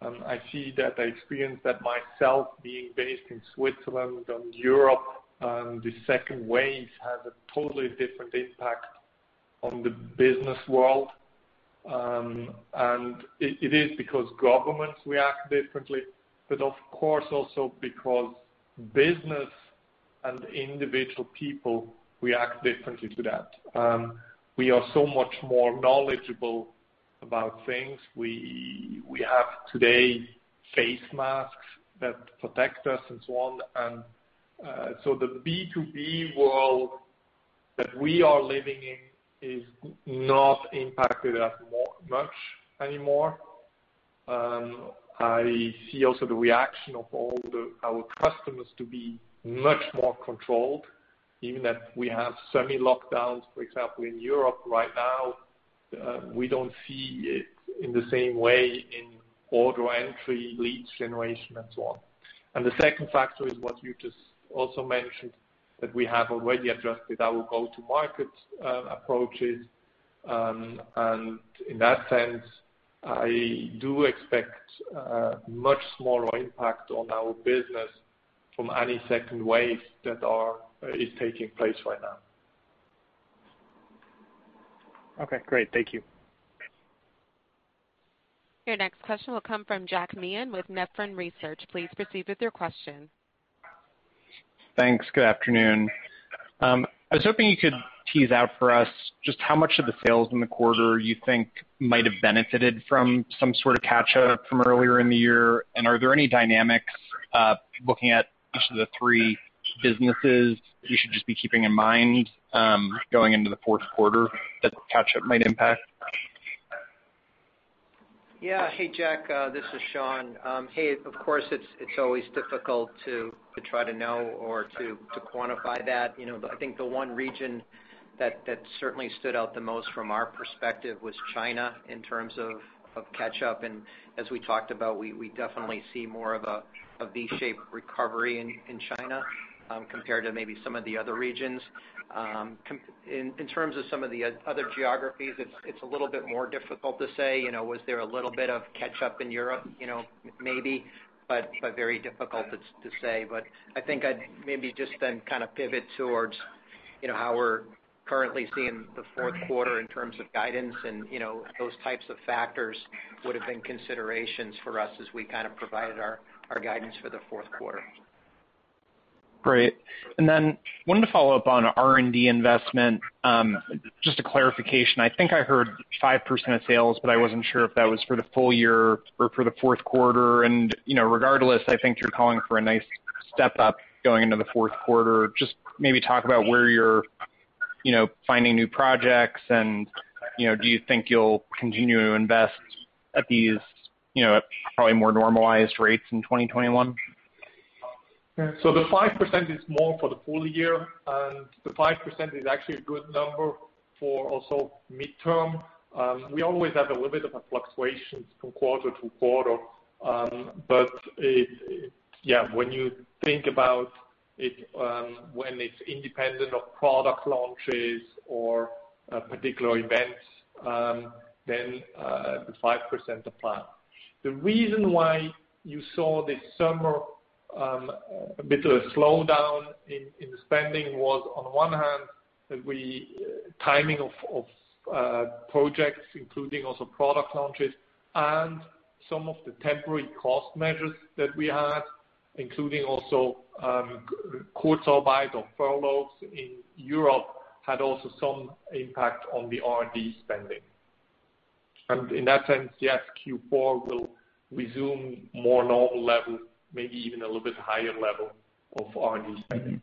I see that. I experienced that myself being based in Switzerland and Europe. The second wave has a totally different impact on the business world. It is because governments react differently, but of course, also because business and individual people react differently to that. We are so much more knowledgeable about things. We have today face masks that protect us and so on. The B2B world that we are living in is not impacted as much anymore. I see also the reaction of all our customers to be much more controlled, even that we have semi-lockdowns, for example, in Europe right now. We do not see it in the same way in order entry, leads generation, and so on. The second factor is what you just also mentioned that we have already addressed with our go-to-market approaches. In that sense, I do expect a much smaller impact on our business from any second wave that is taking place right now. Okay. Great. Thank you. Your next question will come from Jack Meehan with Nephron Research. Please proceed with your question. Thanks. Good afternoon. I was hoping you could tease out for us just how much of the sales in the quarter you think might have benefited from some sort of catch-up from earlier in the year. Are there any dynamics looking at each of the three businesses we should just be keeping in mind going into the fourth quarter that the catch-up might impact? Yeah. Hey, Jack. This is Shawn. Hey, of course, it's always difficult to try to know or to quantify that. I think the one region that certainly stood out the most from our perspective was China in terms of catch-up. As we talked about, we definitely see more of a V-shaped recovery in China compared to maybe some of the other regions. In terms of some of the other geographies, it's a little bit more difficult to say. Was there a little bit of catch-up in Europe? Maybe. Very difficult to say. I think I'd maybe just then kind of pivot towards how we're currently seeing the fourth quarter in terms of guidance. Those types of factors would have been considerations for us as we kind of provided our guidance for the fourth quarter. Great. I wanted to follow up on R&D investment. Just a clarification. I think I heard 5% of sales, but I was not sure if that was for the full year or for the fourth quarter. Regardless, I think you are calling for a nice step-up going into the fourth quarter. Just maybe talk about where you are finding new projects. Do you think you will continue to invest at these probably more normalized rates in 2021? The 5% is more for the full year. The 5% is actually a good number for also midterm. We always have a little bit of a fluctuation from quarter to quarter. Yeah, when you think about it, when it is independent of product launches or particular events, then the 5% applies. The reason why you saw this summer a bit of a slowdown in spending was, on one hand, the timing of projects, including also product launches, and some of the temporary cost measures that we had, including also quarter-by-quarter furloughs in Europe, had also some impact on the R&D spending. In that sense, yes, Q4 will resume more normal level, maybe even a little bit higher level of R&D spending.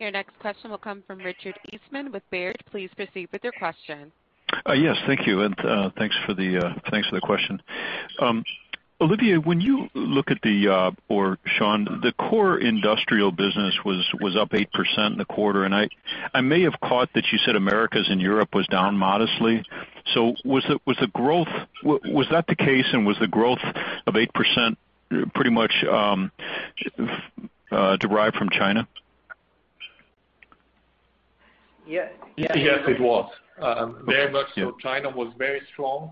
Your next question will come from Richard Eastman with Baird. Please proceed with your question. Yes. Thank you. Thank you for the question. Olivier, when you look at the, or Shawn, the core industrial business was up 8% in the quarter. I may have caught that you said Americas and Europe was down modestly. Was that the case? Was the growth of 8% pretty much derived from China? Yes. Yes, it was. Very much so. China was very strong,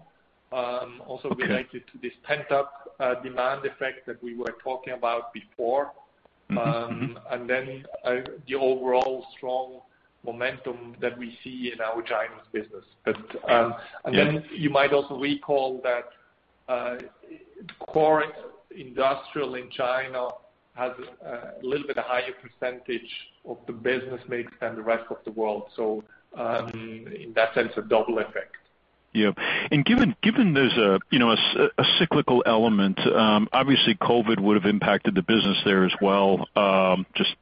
also related to this pent-up demand effect that we were talking about before. The overall strong momentum that we see in our Chinese business. You might also recall that core industrial in China has a little bit higher percentage of the business mix than the rest of the world. In that sense, a double effect. Yeah. Given there's a cyclical element, obviously, COVID would have impacted the business there as well, just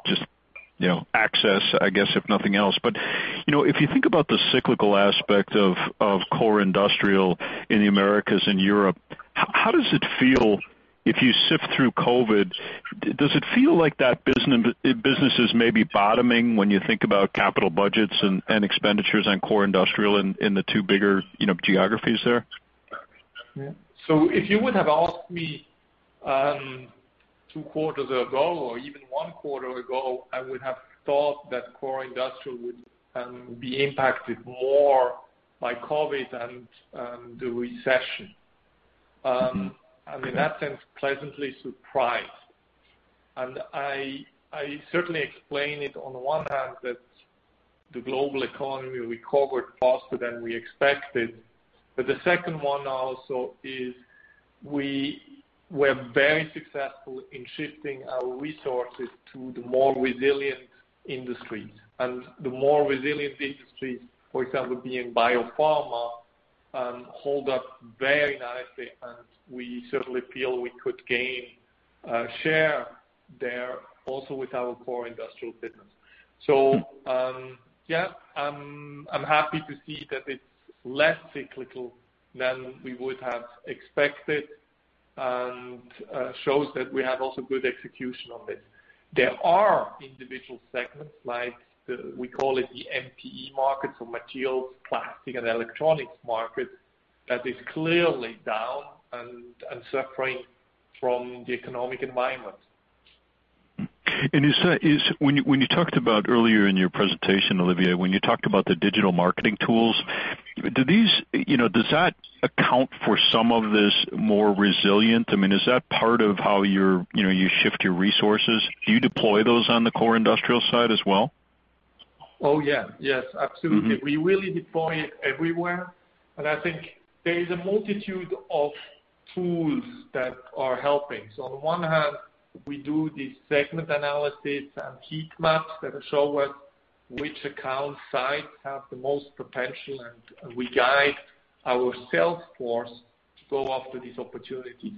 access, I guess, if nothing else. If you think about the cyclical aspect of core industrial in the Americas and Europe, how does it feel if you sift through COVID? Does it feel like that business is maybe bottoming when you think about capital budgets and expenditures on core industrial in the two bigger geographies there? Yeah. If you would have asked me two quarters ago or even one quarter ago, I would have thought that core industrial would be impacted more by COVID and the recession. In that sense, pleasantly surprised. I certainly explain it on the one hand that the global economy recovered faster than we expected. The second one also is we were very successful in shifting our resources to the more resilient industries. The more resilient industries, for example, being biopharma, hold up very nicely. We certainly feel we could gain share there also with our core industrial business. Yeah, I'm happy to see that it's less cyclical than we would have expected and shows that we have also good execution on this. There are individual segments, like we call it the MPE market, so materials, plastic, and electronics market, that is clearly down and suffering from the economic environment. When you talked about earlier in your presentation, Olivier, when you talked about the digital marketing tools, does that account for some of this more resilient? I mean, is that part of how you shift your resources? Do you deploy those on the core industrial side as well? Oh, yeah. Yes. Absolutely. We really deploy it everywhere. I think there is a multitude of tools that are helping. On the one hand, we do these segment analyses and heat maps that show us which account sites have the most potential. We guide our sales force to go after these opportunities.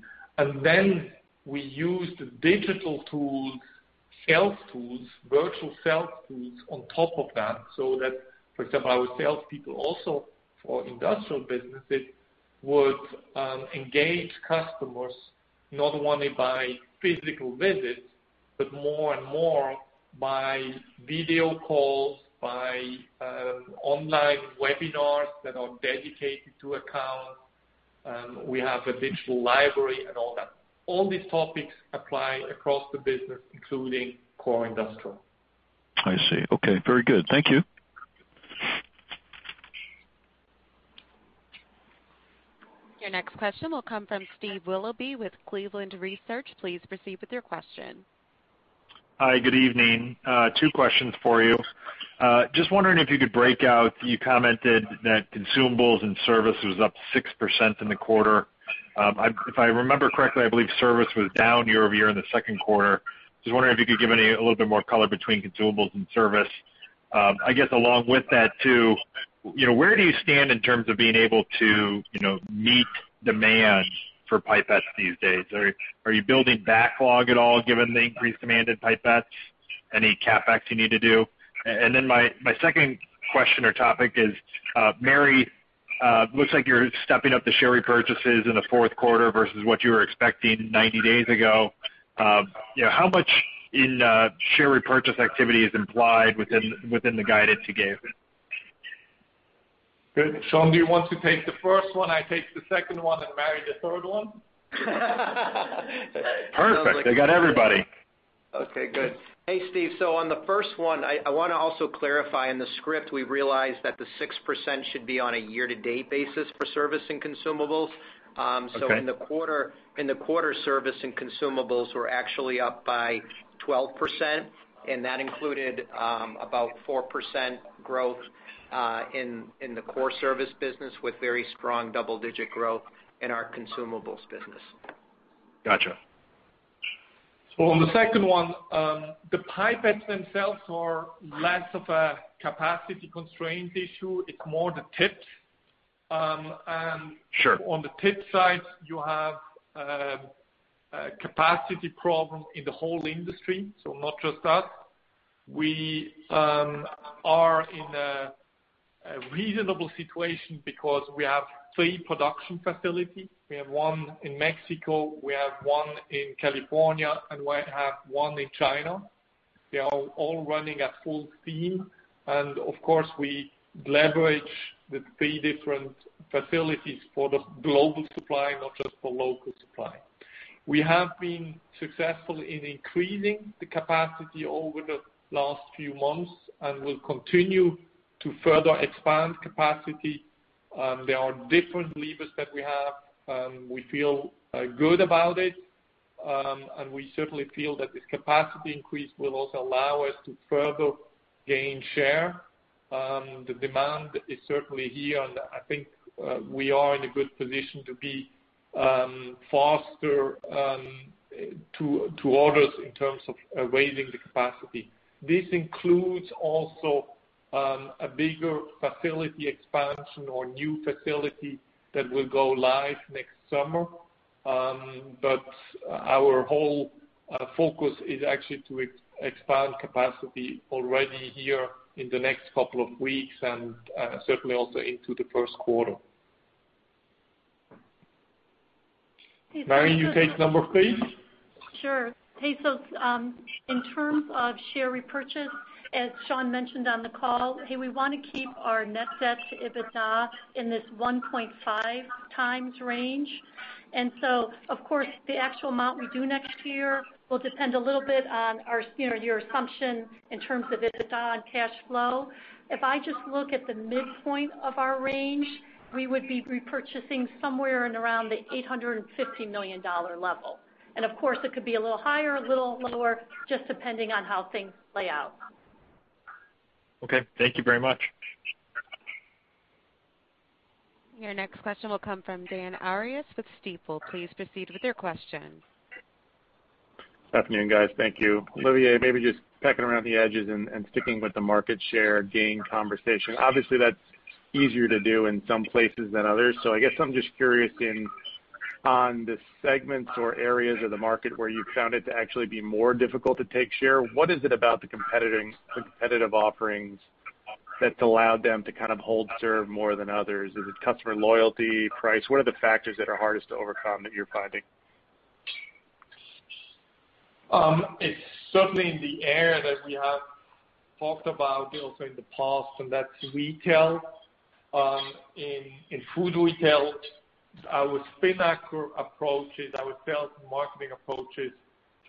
We use the digital tools, sales tools, virtual sales tools on top of that so that, for example, our salespeople also for industrial businesses would engage customers, not only by physical visits, but more and more by video calls, by online webinars that are dedicated to accounts. We have a digital library and all that. All these topics apply across the business, including core industrial. I see. Okay. Very good. Thank you. Your next question will come from Steve Willoughby with Cleveland Research. Please proceed with your question. Hi. Good evening. Two questions for you. Just wondering if you could break out. You commented that consumables and service was up 6% in the quarter. If I remember correctly, I believe service was down year over year in the second quarter. Just wondering if you could give me a little bit more color between consumables and service. I guess along with that too, where do you stand in terms of being able to meet demand for pipettes these days? Are you building backlog at all given the increased demand in pipettes? Any CapEx you need to do? My second question or topic is, Mary, it looks like you're stepping up the share repurchases in the fourth quarter versus what you were expecting 90 days ago. How much in share repurchase activity is implied within the guidance you gave? Good. Shawn, do you want to take the first one? I take the second one and Mary the third one. Perfect. I got everybody. Okay. Good. Hey, Steve. On the first one, I want to also clarify in the script, we realized that the 6% should be on a year-to-date basis for service and consumables. In the quarter, service and consumables were actually up by 12%. That included about 4% growth in the core service business with very strong double-digit growth in our consumables business. Gotcha. On the second one, the pipettes themselves are less of a capacity constraint issue. It's more the tips. On the tip side, you have a capacity problem in the whole industry, not just us. We are in a reasonable situation because we have three production facilities. We have one in Mexico, one in California, and one in China. They are all running at full steam. Of course, we leverage the three different facilities for the global supply, not just for local supply. We have been successful in increasing the capacity over the last few months and will continue to further expand capacity. There are different levers that we have. We feel good about it, and we certainly feel that this capacity increase will also allow us to further gain share. The demand is certainly here. I think we are in a good position to be faster to orders in terms of raising the capacity. This includes also a bigger facility expansion or new facility that will go live next summer. Our whole focus is actually to expand capacity already here in the next couple of weeks and certainly also into the first quarter. Mary, you take number, please. Sure. Hey, so in terms of share repurchase, as Shawn mentioned on the call, hey, we want to keep our net debt to EBITDA in this 1.5 times range. Of course, the actual amount we do next year will depend a little bit on your assumption in terms of EBITDA and cash flow. If I just look at the midpoint of our range, we would be repurchasing somewhere around the $850 million level. Of course, it could be a little higher, a little lower, just depending on how things play out. Okay. Thank you very much. Your next question will come from Dan Arias with Stifel. Please proceed with your question. Good afternoon, guys. Thank you. Olivia, maybe just pecking around the edges and sticking with the market share gain conversation. Obviously, that's easier to do in some places than others. I guess I'm just curious in on the segments or areas of the market where you found it to actually be more difficult to take share. What is it about the competitive offerings that's allowed them to kind of hold serve more than others? Is it customer loyalty, price? What are the factors that are hardest to overcome that you're finding? It's certainly in the area that we have talked about also in the past, and that's retail. In food retail, our spin-up approaches, our sales and marketing approaches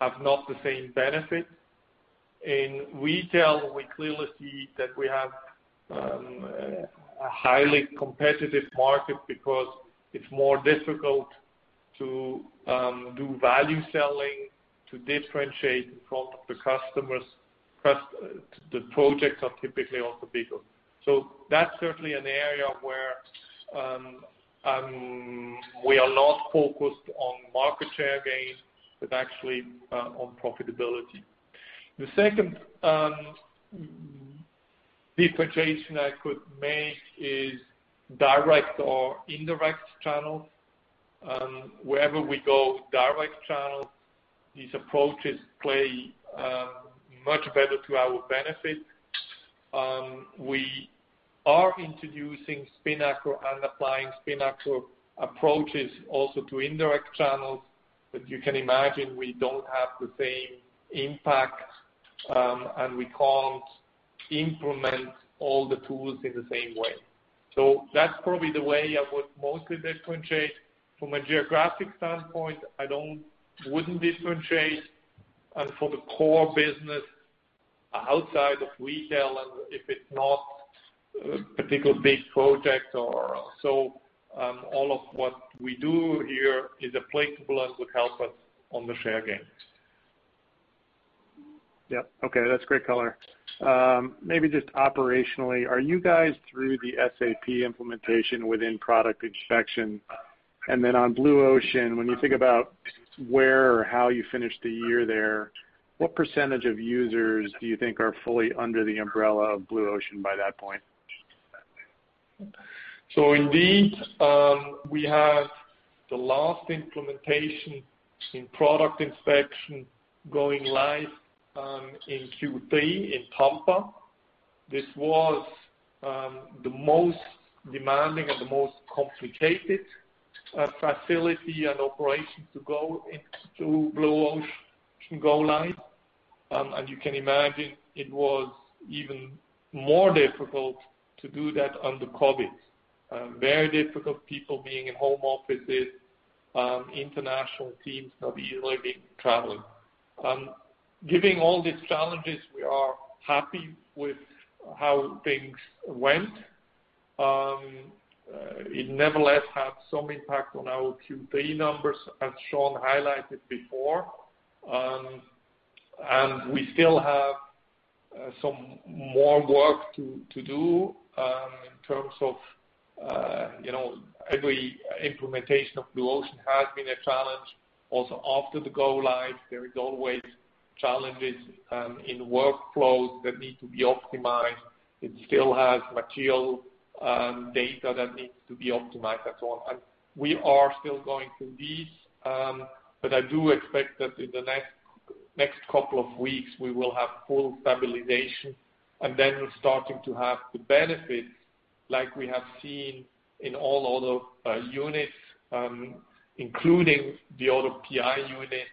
have not the same benefit. In retail, we clearly see that we have a highly competitive market because it's more difficult to do value selling to differentiate in front of the customers. The projects are typically also bigger. That's certainly an area where we are not focused on market share gain, but actually on profitability. The second differentiation I could make is direct or indirect channels. Wherever we go, direct channels, these approaches play much better to our benefit. We are introducing spin-up or underplying spin-up approaches also to indirect channels. You can imagine we don't have the same impact, and we can't implement all the tools in the same way. That's probably the way I would mostly differentiate. From a geographic standpoint, I would not differentiate. For the core business outside of retail, and if it is not a particularly big project or so, all of what we do here is applicable and would help us on the share gain. Yeah. Okay. That's great color. Maybe just operationally, are you guys through the SAP implementation within product inspection? Then on Blue Ocean, when you think about where or how you finished the year there, what percentage of users do you think are fully under the umbrella of Blue Ocean by that point? Indeed, we have the last implementation in product inspection going live in Q3 in Tampa. This was the most demanding and the most complicated facility and operation to go into Blue Ocean go live. You can imagine it was even more difficult to do that under COVID. Very difficult, people being in home offices, international teams not easily traveling. Given all these challenges, we are happy with how things went. It nevertheless had some impact on our Q3 numbers, as Shawn highlighted before. We still have some more work to do in terms of every implementation of Blue Ocean has been a challenge. Also after the go live, there are always challenges in workflows that need to be optimized. It still has material data that needs to be optimized and so on. We are still going through these. I do expect that in the next couple of weeks, we will have full stabilization and then starting to have the benefits like we have seen in all other units, including the other PI units.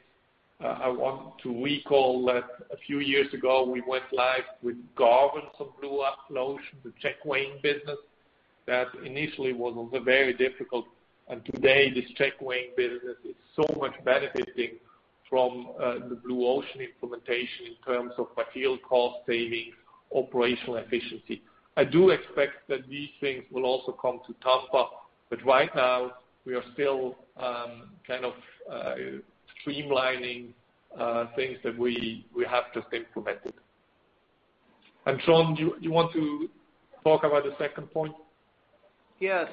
I want to recall that a few years ago, we went live with Garvan's Blue Ocean check weighing business that initially was also very difficult. Today, this check weighing business is so much benefiting from the Blue Ocean implementation in terms of material cost savings, operational efficiency. I do expect that these things will also come to Tampa. Right now, we are still kind of streamlining things that we have just implemented. Sean, do you want to talk about the second point? Yeah.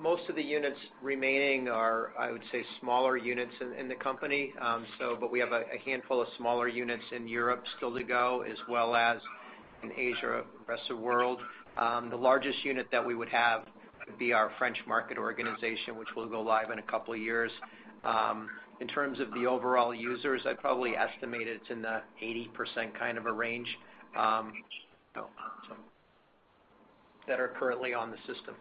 Most of the units remaining are, I would say, smaller units in the company. We have a handful of smaller units in Europe still to go, as well as in Asia, rest of the world. The largest unit that we would have would be our French market organization, which will go live in a couple of years. In terms of the overall users, I'd probably estimate it's in the 80% kind of a range that are currently on the system.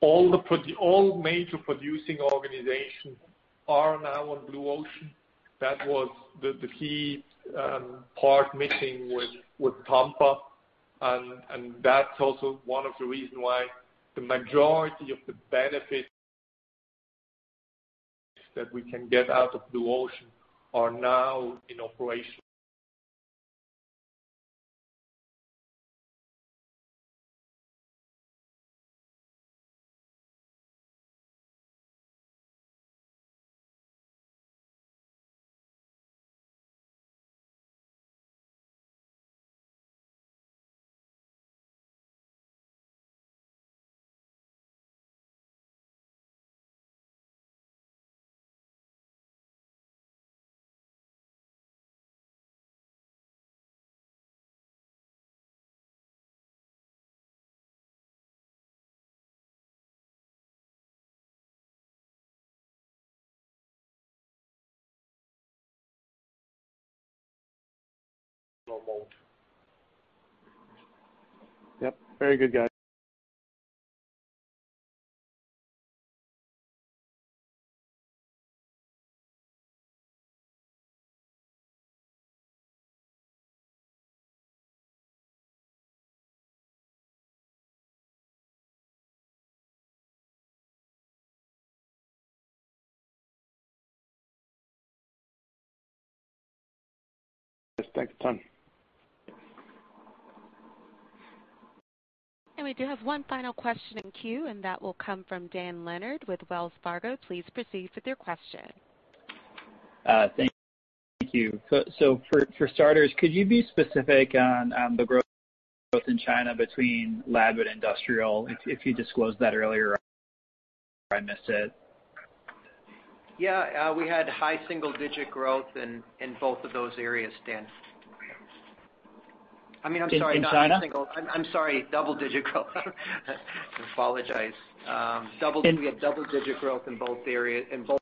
All major producing organizations are now on Blue Ocean. That was the key part missing with Tampa. That is also one of the reasons why the majority of the benefits that we can get out of Blue Ocean are now in operation. Yep. Very good, guys. Thank you, Shawn. We do have one final question in queue, and that will come from Dan Leonard with Wells Fargo. Please proceed with your question. Thank you. For starters, could you be specific on the growth in China between lab and industrial? If you disclosed that earlier, I missed it. Yeah. We had high single-digit growth in both of those areas, Dan. I mean, I'm sorry. In China? I'm sorry. Double-digit growth. I apologize. We had double-digit growth in both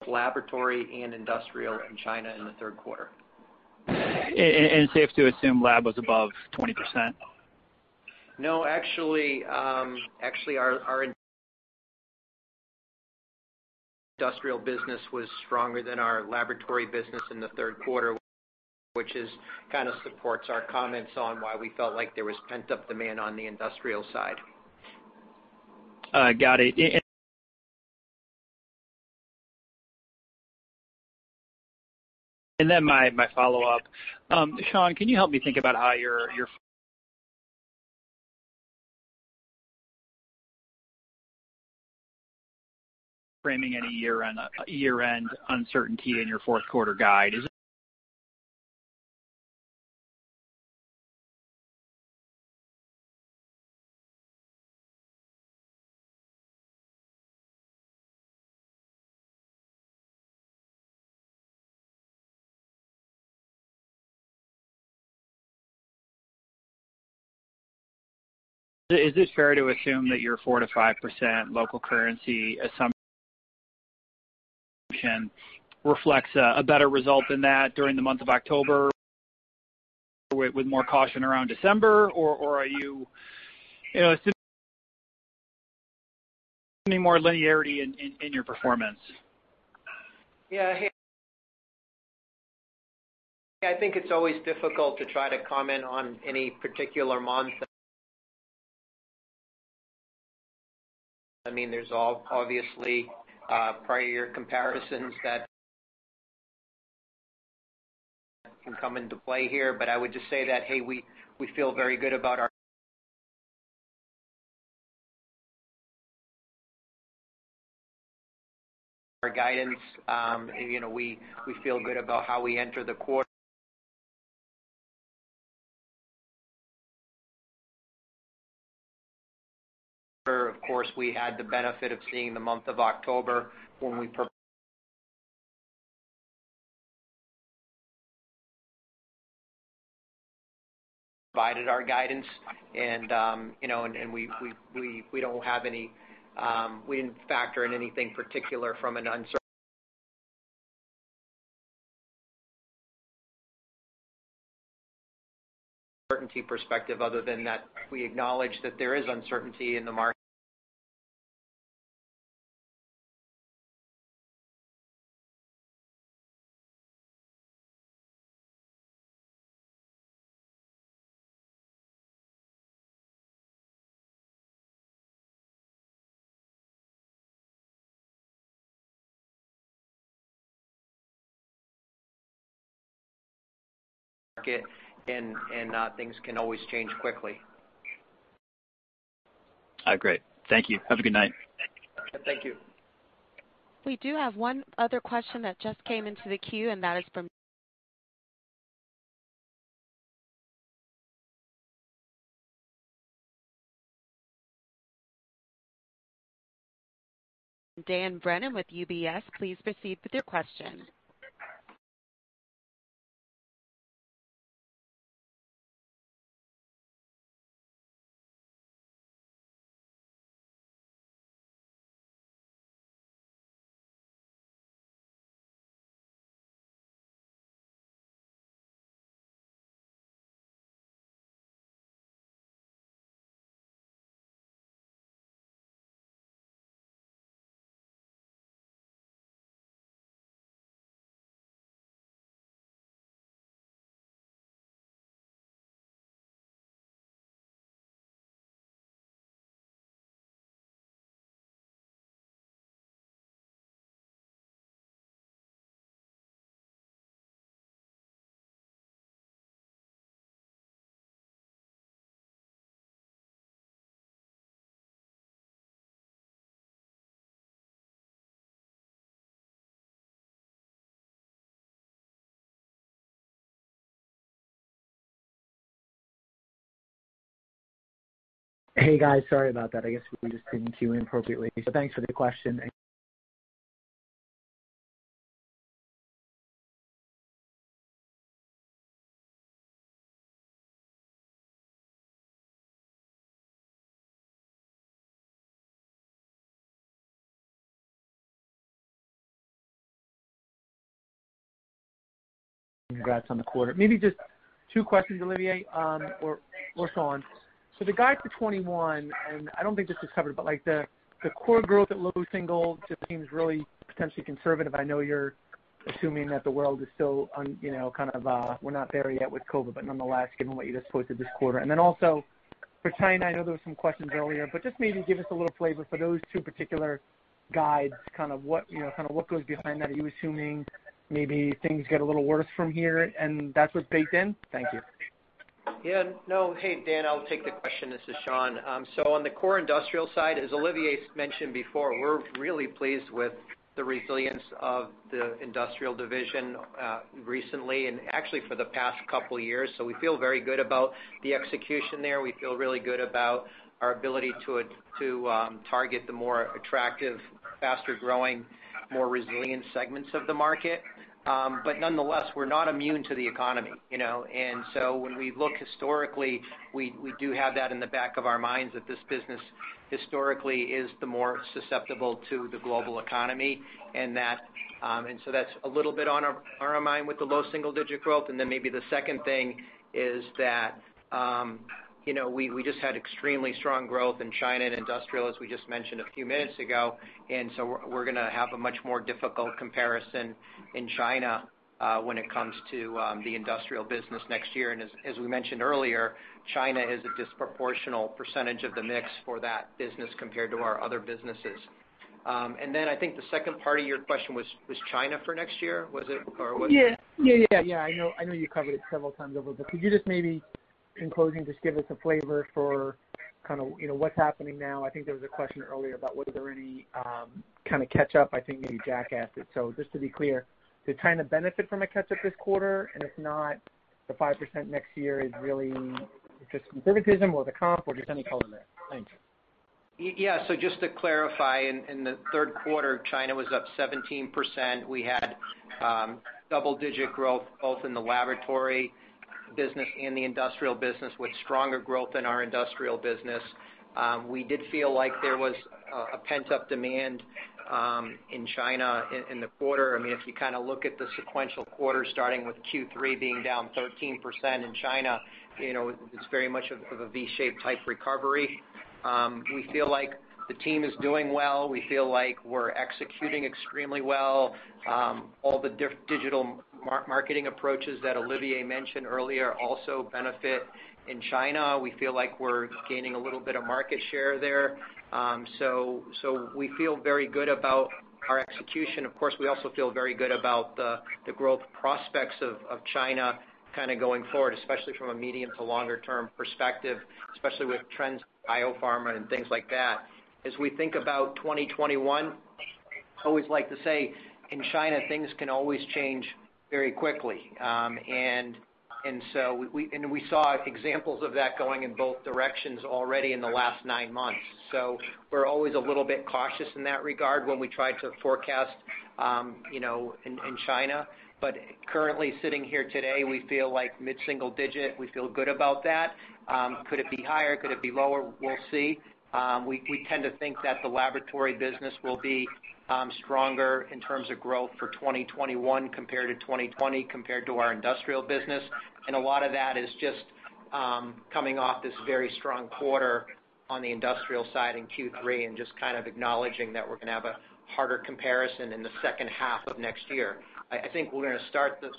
laboratory and industrial in China in the third quarter. it safe to assume lab was above 20%? No. Actually, our industrial business was stronger than our laboratory business in the third quarter, which kind of supports our comments on why we felt like there was pent-up demand on the industrial side. Got it. My follow-up. Shawn, can you help me think about how you're framing any year-end uncertainty in your fourth-quarter guide? Is it fair to assume that your 4-5% local currency assumption reflects a better result than that during the month of October with more caution around December? Or are you assuming more linearity in your performance? Yeah. I think it's always difficult to try to comment on any particular month. I mean, there's obviously prior year comparisons that can come into play here. I would just say that, hey, we feel very good about our guidance. We feel good about how we enter the quarter. Of course, we had the benefit of seeing the month of October when we provided our guidance. We don't have any—we didn't factor in anything particular from an uncertainty perspective other than that we acknowledge that there is uncertainty in the market. Market, and things can always change quickly. Great. Thank you. Have a good night. Thank you. We do have one other question that just came into the queue, and that is from Dan Brennan with UBS. Please proceed with your question. Hey, guys. Sorry about that. I guess we were just in queue inappropriately. Thanks for the question. Congrats on the quarter. Maybe just two questions, Olivier, or Shawn. The guide for 2021, and I do not think this is covered, but the core growth at low single just seems really potentially conservative. I know you are assuming that the world is still kind of—we are not there yet with COVID, but nonetheless, given what you just posted this quarter. Also for China, I know there were some questions earlier, but just maybe give us a little flavor for those two particular guides, kind of what goes behind that. Are you assuming maybe things get a little worse from here and that is what is baked in? Thank you. Yeah. No. Hey, Dan, I'll take the question. This is Shawn. On the core industrial side, as Olivier mentioned before, we're really pleased with the resilience of the industrial division recently and actually for the past couple of years. We feel very good about the execution there. We feel really good about our ability to target the more attractive, faster-growing, more resilient segments of the market. Nonetheless, we're not immune to the economy. When we look historically, we do have that in the back of our minds that this business historically is the more susceptible to the global economy. That's a little bit on our mind with the low single-digit growth. Maybe the second thing is that we just had extremely strong growth in China and industrial, as we just mentioned a few minutes ago. We are going to have a much more difficult comparison in China when it comes to the industrial business next year. As we mentioned earlier, China is a disproportional percentage of the mix for that business compared to our other businesses. I think the second part of your question was China for next year, was it? Or was it? Yeah. I know you covered it several times over, but could you just maybe, in closing, just give us a flavor for kind of what's happening now? I think there was a question earlier about was there any kind of catch-up? I think maybe Jack asked it. Just to be clear, did China benefit from a catch-up this quarter? If not, the 5% next year is really just conservatism or the comp or just any color there? Thanks. Yeah. Just to clarify, in the third quarter, China was up 17%. We had double-digit growth both in the laboratory business and the industrial business with stronger growth in our industrial business. We did feel like there was a pent-up demand in China in the quarter. I mean, if you kind of look at the sequential quarter, starting with Q3 being down 13% in China, it is very much of a V-shaped type recovery. We feel like the team is doing well. We feel like we are executing extremely well. All the digital marketing approaches that Olivier mentioned earlier also benefit in China. We feel like we are gaining a little bit of market share there. We feel very good about our execution. Of course, we also feel very good about the growth prospects of China kind of going forward, especially from a medium to longer-term perspective, especially with trends in biopharma and things like that. As we think about 2021, I always like to say in China, things can always change very quickly. We saw examples of that going in both directions already in the last nine months. We are always a little bit cautious in that regard when we try to forecast in China. Currently, sitting here today, we feel like mid-single digit. We feel good about that. Could it be higher? Could it be lower? We will see. We tend to think that the laboratory business will be stronger in terms of growth for 2021 compared to 2020 compared to our industrial business. A lot of that is just coming off this very strong quarter on the industrial side in Q3 and just kind of acknowledging that we're going to have a harder comparison in the second half of next year. I think we're going to start the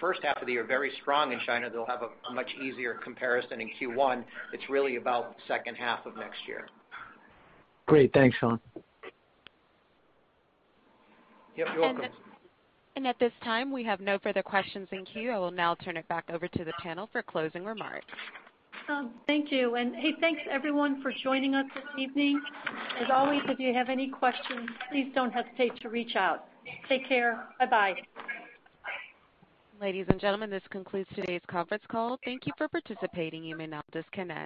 first half of the year very strong in China. They'll have a much easier comparison in Q1. It's really about the second half of next year. Great. Thanks, Shawn. Yep. You're welcome. At this time, we have no further questions in queue. I will now turn it back over to the panel for closing remarks. Thank you. Hey, thanks, everyone, for joining us this evening. As always, if you have any questions, please do not hesitate to reach out. Take care. Bye-bye. Ladies and gentlemen, this concludes today's conference call. Thank you for participating. You may now disconnect.